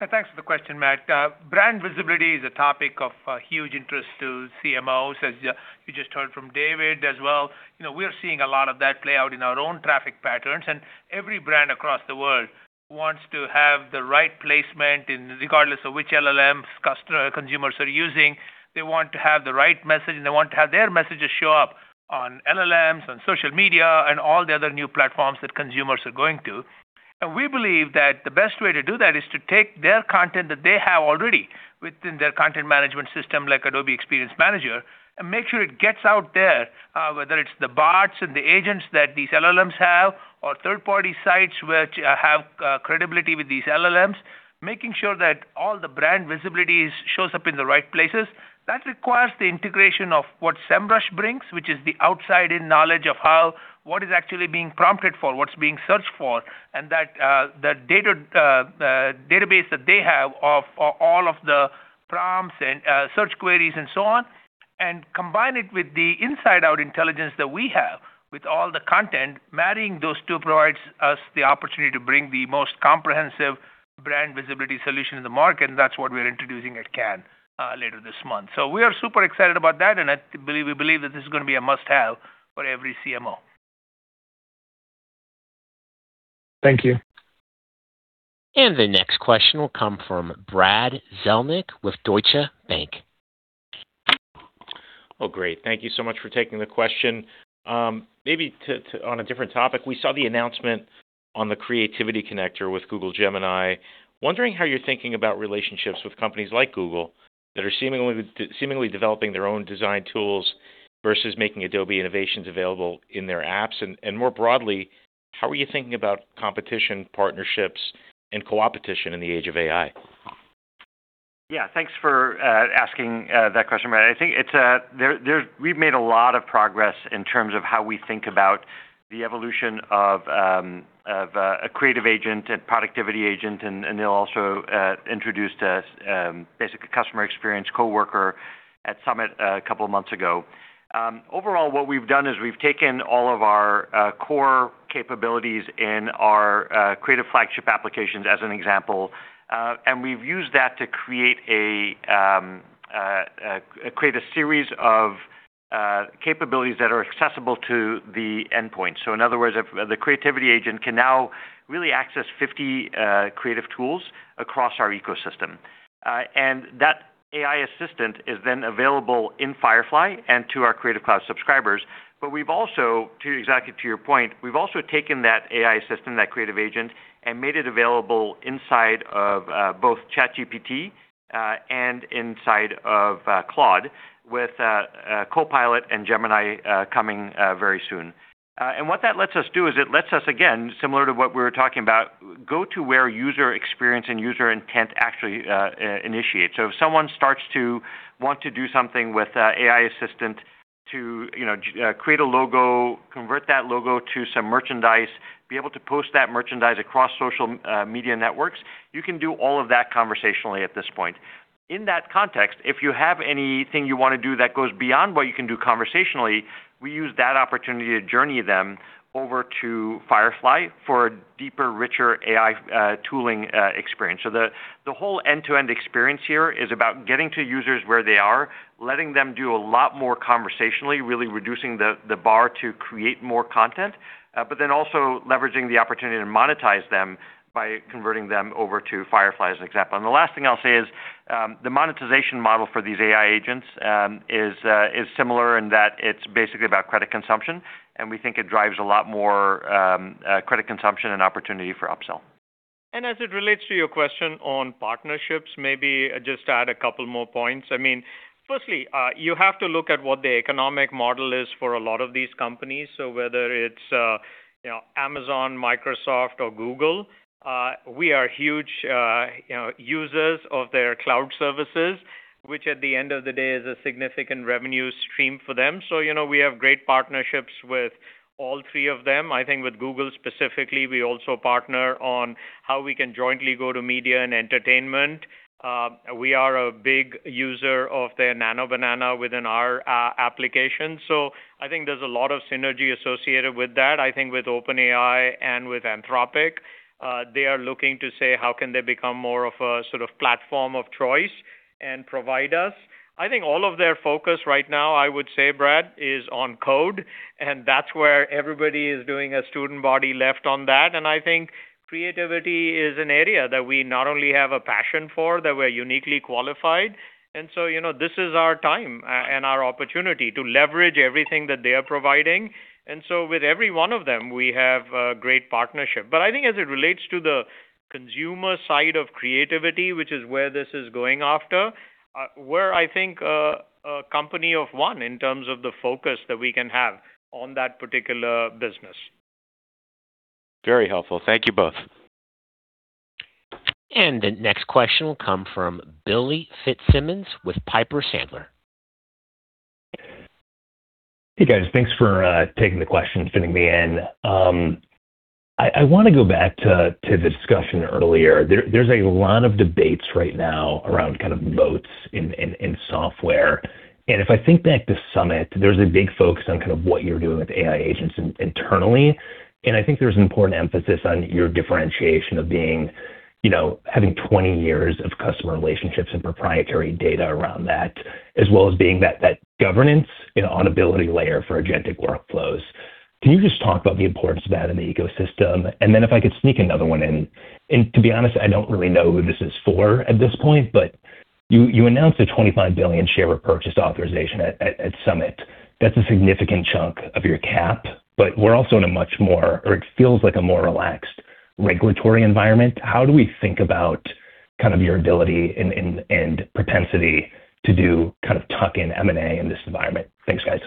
Thanks for the question, Matt. Brand visibility is a topic of huge interest to CMOs, as you just heard from David as well. We are seeing a lot of that play out in our own traffic patterns, every brand across the world wants to have the right placement regardless of which LLMs consumers are using. They want to have the right message, they want to have their messages show up on LLMs, on social media, and all the other new platforms that consumers are going to. We believe that the best way to do that is to take their content that they have already within their content management system, like Adobe Experience Manager, make sure it gets out there, whether it's the bots and the agents that these LLMs have, or third-party sites which have credibility with these LLMs, making sure that all the brand visibility shows up in the right places. That requires the integration of what Semrush brings, which is the outside-in knowledge of what is actually being prompted for, what's being searched for, that database that they have of all of the prompts and search queries and so on, combine it with the inside-out intelligence that we have with all the content. Marrying those two provides us the opportunity to bring the most comprehensive brand visibility solution in the market, and that's what we're introducing at Cannes later this month. We are super excited about that, and we believe that this is going to be a must-have for every CMO. Thank you. The next question will come from Brad Zelnick with Deutsche Bank. Oh, great. Thank you so much for taking the question. Maybe on a different topic, we saw the announcement on the Creativity Connector with Google Gemini. Wondering how you're thinking about relationships with companies like Google that are seemingly developing their own design tools versus making Adobe innovations available in their apps. More broadly, how are you thinking about competition partnerships and coopetition in the age of AI? Yeah, thanks for asking that question, Brad. I think we've made a lot of progress in terms of how we think about the evolution of a Creative Agent, a Productivity Agent, and Anil also introduced us, basically, Customer Experience Coworker at Adobe Summit a couple of months ago. Overall, what we've done is we've taken all of our core capabilities in our creative flagship applications, as an example, and we've used that to create a series of capabilities that are accessible to the endpoint. In other words, the Creative Agent can now really access 50 creative tools across our ecosystem. That AI Assistant is then available in Firefly and to our Creative Cloud subscribers. We've also, exactly to your point, we've also taken that AI Assistant, that Creative Agent, and made it available inside of both ChatGPT, and inside of Claude, with Copilot and Gemini coming very soon. What that lets us do is it lets us, again, similar to what we were talking about, go to where user experience and user intent actually initiate. If someone starts to want to do something with AI Assistant to create a logo, convert that logo to some merchandise, be able to post that merchandise across social media networks, you can do all of that conversationally at this point. In that context, if you have anything you want to do that goes beyond what you can do conversationally, we use that opportunity to journey them over to Firefly for a deeper, richer AI tooling experience. The whole end-to-end experience here is about getting to users where they are, letting them do a lot more conversationally, really reducing the bar to create more content, but then also leveraging the opportunity to monetize them by converting them over to Firefly, as an example. The last thing I'll say is, the monetization model for these AI agents is similar in that it's basically about credit consumption, and we think it drives a lot more credit consumption and opportunity for upsell. As it relates to your question on partnerships, maybe just add a couple more points. Firstly, you have to look at what the economic model is for a lot of these companies. Whether it's Amazon, Microsoft, or Google, we are huge users of their cloud services, which at the end of the day, is a significant revenue stream for them. We have great partnerships with all three of them. I think with Google specifically, we also partner on how we can jointly go to media and entertainment. We are a big user of their Nano Banana within our application. I think there's a lot of synergy associated with that. I think with OpenAI and with Anthropic, they are looking to say how can they become more of a sort of platform of choice and provide us. I think all of their focus right now, I would say, Brad, is on code. That's where everybody is doing a student body left on that. I think creativity is an area that we not only have a passion for, that we're uniquely qualified. This is our time and our opportunity to leverage everything that they are providing. With every one of them, we have a great partnership. I think as it relates to the consumer side of creativity, which is where this is going after, we're, I think, a company of one in terms of the focus that we can have on that particular business. Very helpful. Thank you both. The next question will come from Billy Fitzsimmons with Piper Sandler. Hey, guys. Thanks for taking the question, fitting me in. I want to go back to the discussion earlier. There's a lot of debates right now around kind of bots in software. If I think back to Summit, there's a big focus on kind of what you're doing with AI agents internally. I think there's an important emphasis on your differentiation of having 20 years of customer relationships and proprietary data around that, as well as being that governance and auditability layer for agentic workflows. Can you just talk about the importance of that in the ecosystem? Then if I could sneak another one in, and to be honest, I don't really know who this is for at this point, but you announced a $25 billion share repurchase authorization at Summit. That's a significant chunk of your cap. We're also in a much more, or it feels like a more relaxed regulatory environment. How do we think about your ability and propensity to do tuck-in M&A in this environment? Thanks, guys.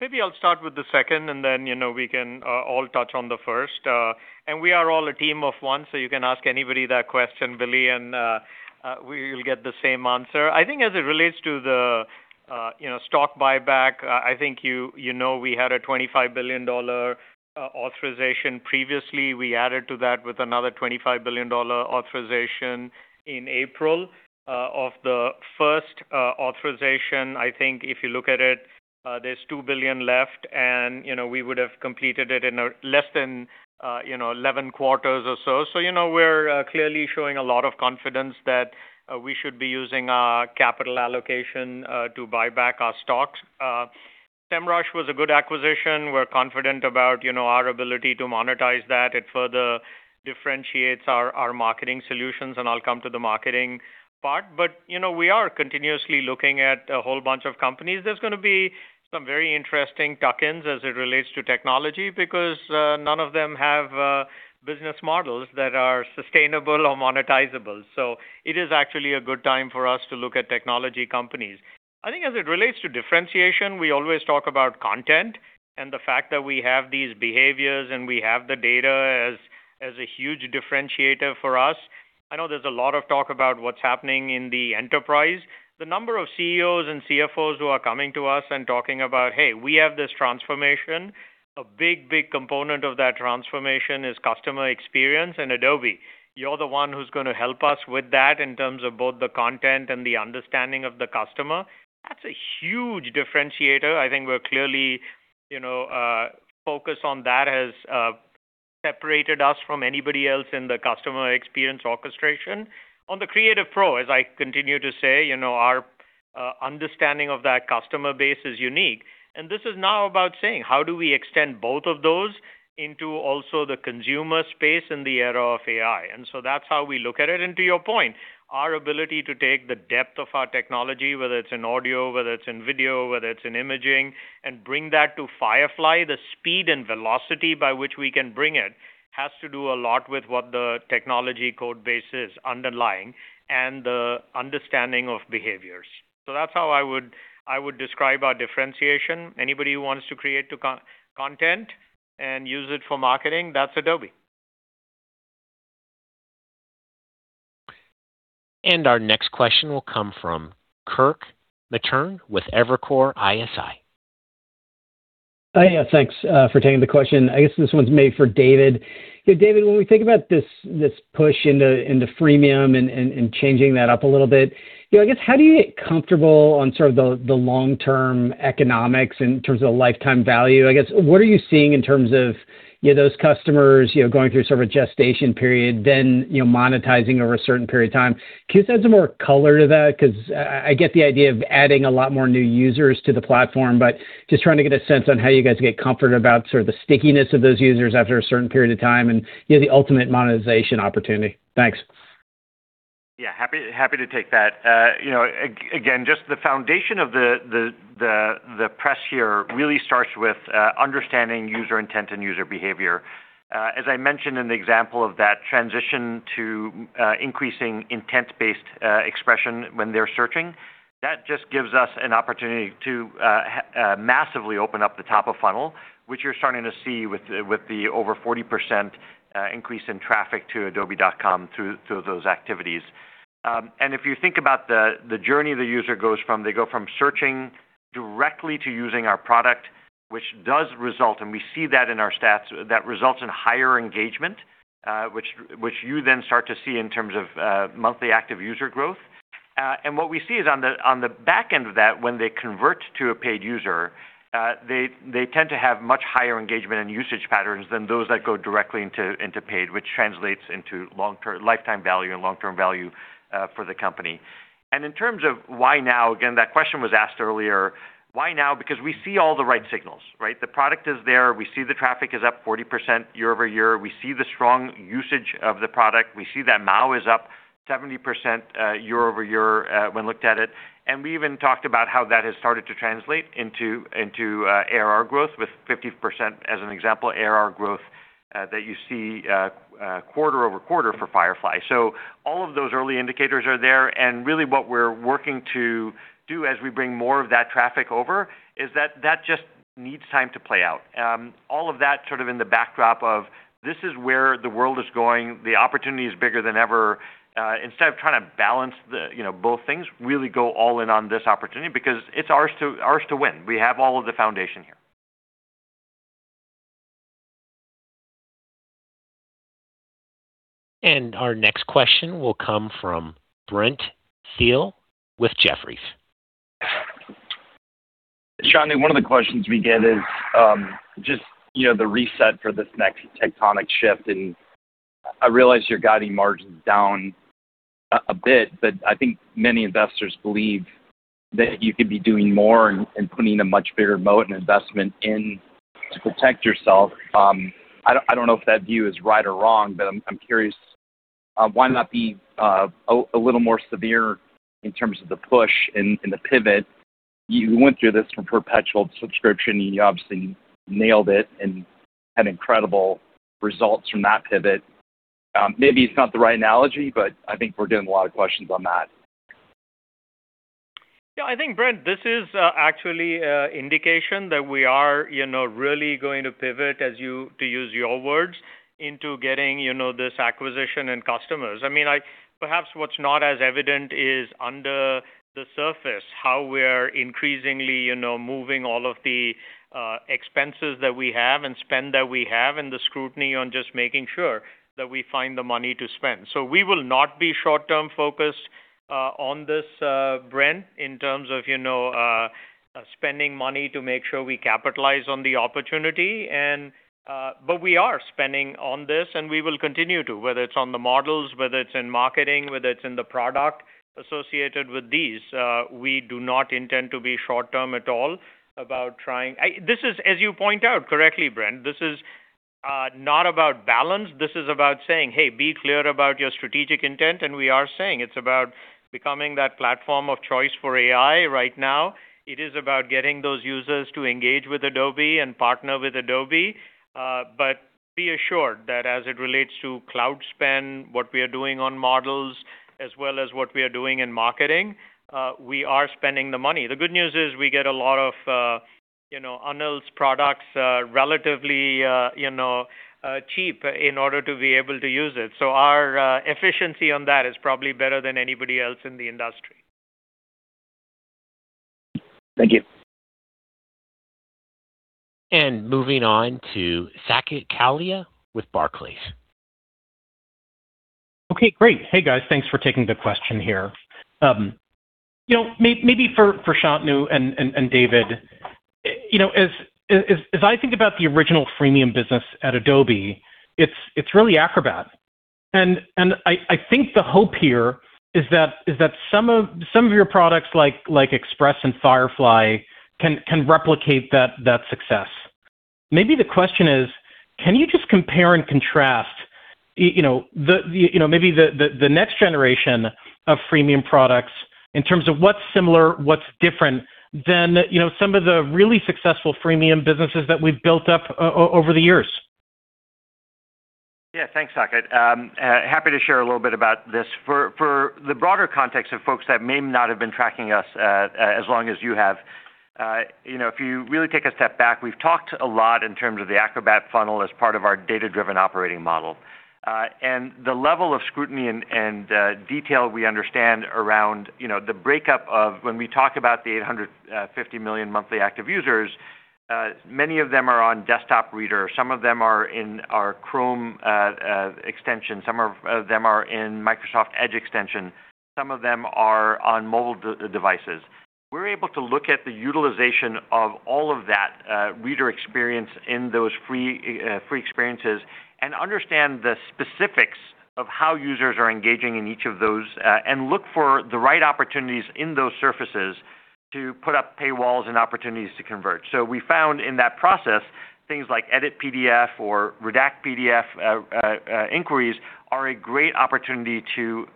Maybe I'll start with the second. Then we can all touch on the first. We are all a team of one, so you can ask anybody that question, Billy, and we'll get the same answer. As it relates to the stock buyback, you know we had a $25 billion authorization previously. We added to that with another $25 billion authorization in April. Of the first authorization, if you look at it, there's $2 billion left, and we would have completed it in less than 11 quarters or so. We're clearly showing a lot of confidence that we should be using capital allocation to buy back our stocks. Semrush was a good acquisition. We're confident about our ability to monetize that. It further differentiates our marketing solutions. I'll come to the marketing part. We are continuously looking at a whole bunch of companies. There's going to be some very interesting tuck-ins as it relates to technology because none of them have business models that are sustainable or monetizable. It is actually a good time for us to look at technology companies. As it relates to differentiation, we always talk about content and the fact that we have these behaviors, and we have the data as a huge differentiator for us. I know there's a lot of talk about what's happening in the enterprise. The number of CEOs and CFOs who are coming to us and talking about, "Hey, we have this transformation. A big component of that transformation is customer experience, and Adobe, you're the one who's going to help us with that in terms of both the content and the understanding of the customer." That's a huge differentiator. We're clearly focused on that as separated us from anybody else in the customer experience orchestration. On the creative pro, as I continue to say, our understanding of that customer base is unique. This is now about saying, how do we extend both of those into also the consumer space in the era of AI? That's how we look at it. To your point, our ability to take the depth of our technology, whether it's in audio, whether it's in video, whether it's in imaging, and bring that to Firefly, the speed and velocity by which we can bring it has to do a lot with what the technology code base is underlying and the understanding of behaviors. That's how I would describe our differentiation. Anybody who wants to create content and use it for marketing, that's Adobe. Our next question will come from Kirk Materne with Evercore ISI. Yeah, thanks for taking the question. I guess this one's maybe for David. David, when we think about this push into freemium and changing that up a little bit, I guess, how do you get comfortable on sort of the long-term economics in terms of the lifetime value? I guess, what are you seeing in terms of those customers going through sort of a gestation period, then monetizing over a certain period of time? Can you add some more color to that? Because I get the idea of adding a lot more new users to the platform, but just trying to get a sense on how you guys get comfort about sort of the stickiness of those users after a certain period of time and the ultimate monetization opportunity. Thanks. Yeah, happy to take that. Just the foundation of the press here really starts with understanding user intent and user behavior. As I mentioned in the example of that transition to increasing intent-based expression when they're searching, that just gives us an opportunity to massively open up the top of funnel, which you're starting to see with the over 40% increase in traffic to adobe.com through those activities. If you think about the journey the user goes from, they go from searching directly to using our product, which does result, and we see that in our stats, that results in higher engagement, which you then start to see in terms of monthly active user growth. What we see is on the back end of that, when they convert to a paid user, they tend to have much higher engagement and usage patterns than those that go directly into paid, which translates into lifetime value and long-term value for the company. In terms of why now, again, that question was asked earlier. Why now? Because we see all the right signals, right? The product is there. We see the traffic is up 40% year-over-year. We see the strong usage of the product. We see that MAU is up 70% year-over-year when looked at it. We even talked about how that has started to translate into ARR growth with 50%, as an example, ARR growth that you see quarter-over-quarter for Firefly. All of those early indicators are there, really what we're working to do as we bring more of that traffic over is that just needs time to play out. All of that sort of in the backdrop of this is where the world is going. The opportunity is bigger than ever. Instead of trying to balance both things, really go all in on this opportunity because it's ours to win. We have all of the foundation here. Our next question will come from Brent Thill with Jefferies. Shantanu, one of the questions we get is just the reset for this next tectonic shift, I realize you're guiding margins down a bit, I think many investors believe that you could be doing more and putting a much bigger moat and investment into protect yourself. I don't know if that view is right or wrong, I'm curious, why not be a little more severe in terms of the push and the pivot? You went through this from perpetual to subscription, you obviously nailed it and had incredible results from that pivot. Maybe it's not the right analogy, I think we're getting a lot of questions on that. I think, Brent, this is actually indication that we are really going to pivot, to use your words, into getting this acquisition and customers. Perhaps what's not as evident is under the surface, how we're increasingly moving all of the expenses that we have and spend that we have, the scrutiny on just making sure that we find the money to spend. We will not be short-term focused on this, Brent, in terms of spending money to make sure we capitalize on the opportunity. We are spending on this, we will continue to, whether it's on the models, whether it's in marketing, whether it's in the product associated with these. We do not intend to be short-term at all about. As you point out correctly, Brent, this is not about balance. This is about saying, "Hey, be clear about your strategic intent." We are saying it's about becoming that platform of choice for AI right now. It is about getting those users to engage with Adobe and partner with Adobe. Be assured that as it relates to cloud spend, what we are doing on models as well as what we are doing in marketing, we are spending the money. The good news is we get a lot of Anil's products relatively cheap in order to be able to use it. Our efficiency on that is probably better than anybody else in the industry. Thank you. Moving on to Saket Kalia with Barclays. Okay, great. Hey, guys. Thanks for taking the question here. Maybe for Shantanu and David, as I think about the original freemium business at Adobe, it's really Acrobat. I think the hope here is that some of your products like Express and Firefly can replicate that success. Maybe the question is, can you just compare and contrast maybe the next generation of freemium products in terms of what's similar, what's different than some of the really successful freemium businesses that we've built up over the years? Yeah. Thanks, Saket. Happy to share a little bit about this. For the broader context of folks that may not have been tracking us as long as you have, if you really take a step back, we've talked a lot in terms of the Acrobat funnel as part of our data-driven operating model. The level of scrutiny and detail we understand around the breakup of when we talk about the 850 million monthly active users, many of them are on Acrobat Reader. Some of them are in our Chrome extension, some of them are in Microsoft Edge extension. Some of them are on mobile devices. We're able to look at the utilization of all of that reader experience in those free experiences and understand the specifics of how users are engaging in each of those, and look for the right opportunities in those surfaces to put up paywalls and opportunities to convert. We found in that process, things like edit PDF or redact PDF inquiries are a great opportunity to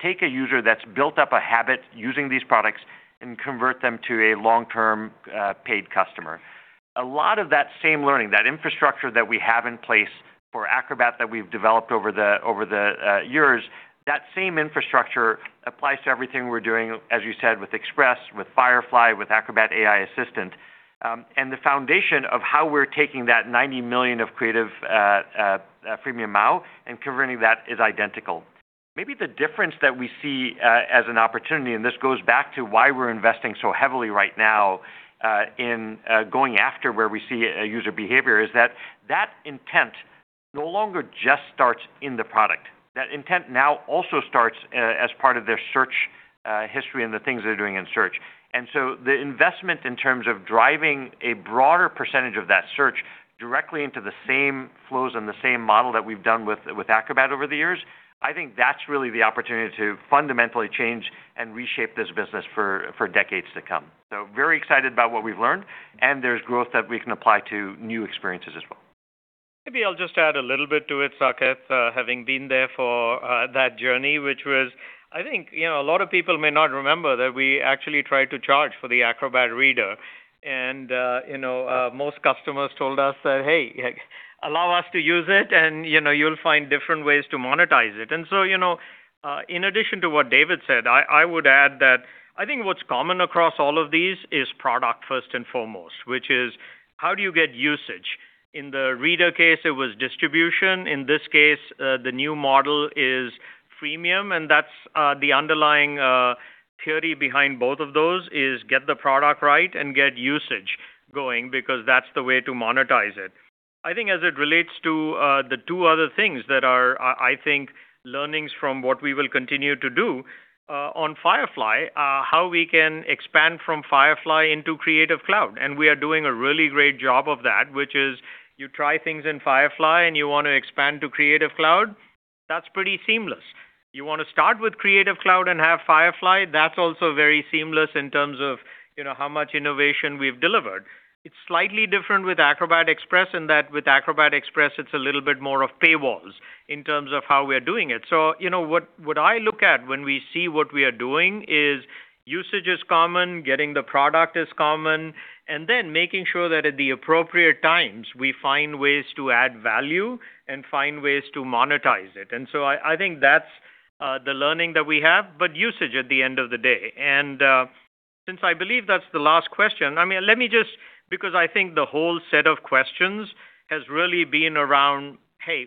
take a user that's built up a habit using these products and convert them to a long-term, paid customer. A lot of that same learning, that infrastructure that we have in place for Acrobat that we've developed over the years, that same infrastructure applies to everything we're doing, as you said, with Express, with Firefly, with Acrobat AI Assistant. The foundation of how we're taking that 90 million of creative freemium MAU and converting that is identical. Maybe the difference that we see as an opportunity, this goes back to why we're investing so heavily right now in going after where we see a user behavior, is that intent no longer just starts in the product. That intent now also starts as part of their search history and the things they're doing in search. The investment in terms of driving a broader percentage of that search directly into the same flows and the same model that we've done with Acrobat over the years, I think that's really the opportunity to fundamentally change and reshape this business for decades to come. Very excited about what we've learned, there's growth that we can apply to new experiences as well. Maybe I'll just add a little bit to it, Saket, having been there for that journey. I think a lot of people may not remember that we actually tried to charge for the Acrobat Reader. Most customers told us that, "Hey, allow us to use it, you'll find different ways to monetize it." In addition to what David said, I would add that I think what's common across all of these is product first and foremost, which is, how do you get usage? In the reader case, it was distribution. In this case, the new model is freemium, that's the underlying theory behind both of those, is get the product right and get usage going, because that's the way to monetize it. I think as it relates to the two other things that are, I think, learnings from what we will continue to do, on Firefly, how we can expand from Firefly into Creative Cloud. We are doing a really great job of that, which is you try things in Firefly and you want to expand to Creative Cloud. That's pretty seamless. You want to start with Creative Cloud and have Firefly, that's also very seamless in terms of how much innovation we've delivered. It's slightly different with Acrobat Express, in that with Acrobat Express, it's a little bit more of paywalls in terms of how we are doing it. What I look at when we see what we are doing is usage is common, getting the product is common, and then making sure that at the appropriate times, we find ways to add value and find ways to monetize it. I think that's the learning that we have, but usage at the end of the day. Since I believe that's the last question, let me just, because I think the whole set of questions has really been around, "Hey,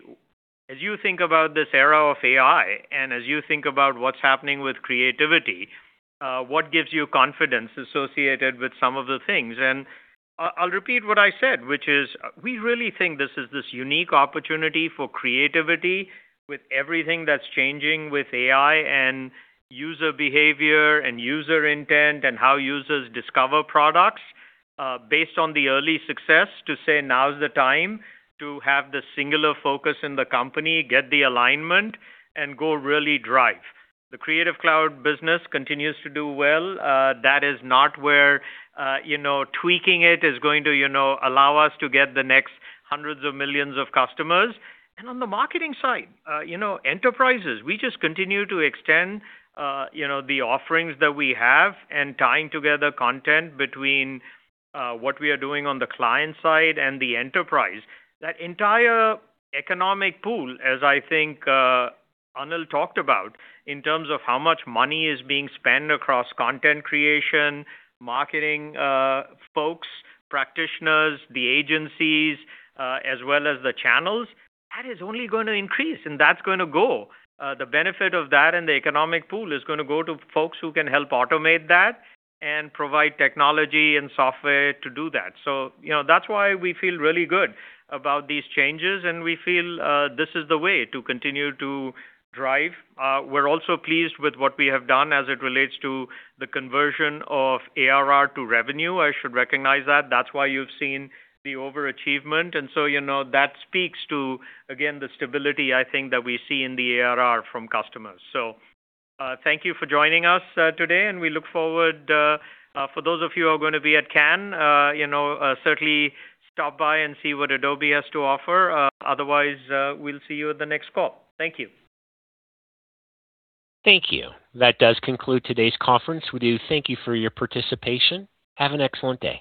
as you think about this era of AI and as you think about what's happening with creativity, what gives you confidence associated with some of the things?" I'll repeat what I said, which is, we really think this is this unique opportunity for creativity with everything that's changing with AI and user behavior and user intent and how users discover products, based on the early success to say now's the time to have the singular focus in the company, get the alignment, and go really drive. The Creative Cloud business continues to do well. That is not where tweaking it is going to allow us to get the next hundreds of millions of customers. On the marketing side, enterprises, we just continue to extend the offerings that we have and tying together content between what we are doing on the client side and the enterprise. That entire economic pool, as I think Anil talked about, in terms of how much money is being spent across content creation, marketing folks, practitioners, the agencies, as well as the channels, that is only going to increase, and that's going to go. The benefit of that and the economic pool is going to go to folks who can help automate that and provide technology and software to do that. That's why we feel really good about these changes, and we feel this is the way to continue to drive. We're also pleased with what we have done as it relates to the conversion of ARR to revenue. I should recognize that. That's why you've seen the overachievement. That speaks to, again, the stability, I think, that we see in the ARR from customers. Thank you for joining us today, and we look forward, for those of you who are going to be at Cannes, certainly stop by and see what Adobe has to offer. Otherwise, we'll see you at the next call. Thank you. Thank you. That does conclude today's conference. We do thank you for your participation. Have an excellent day.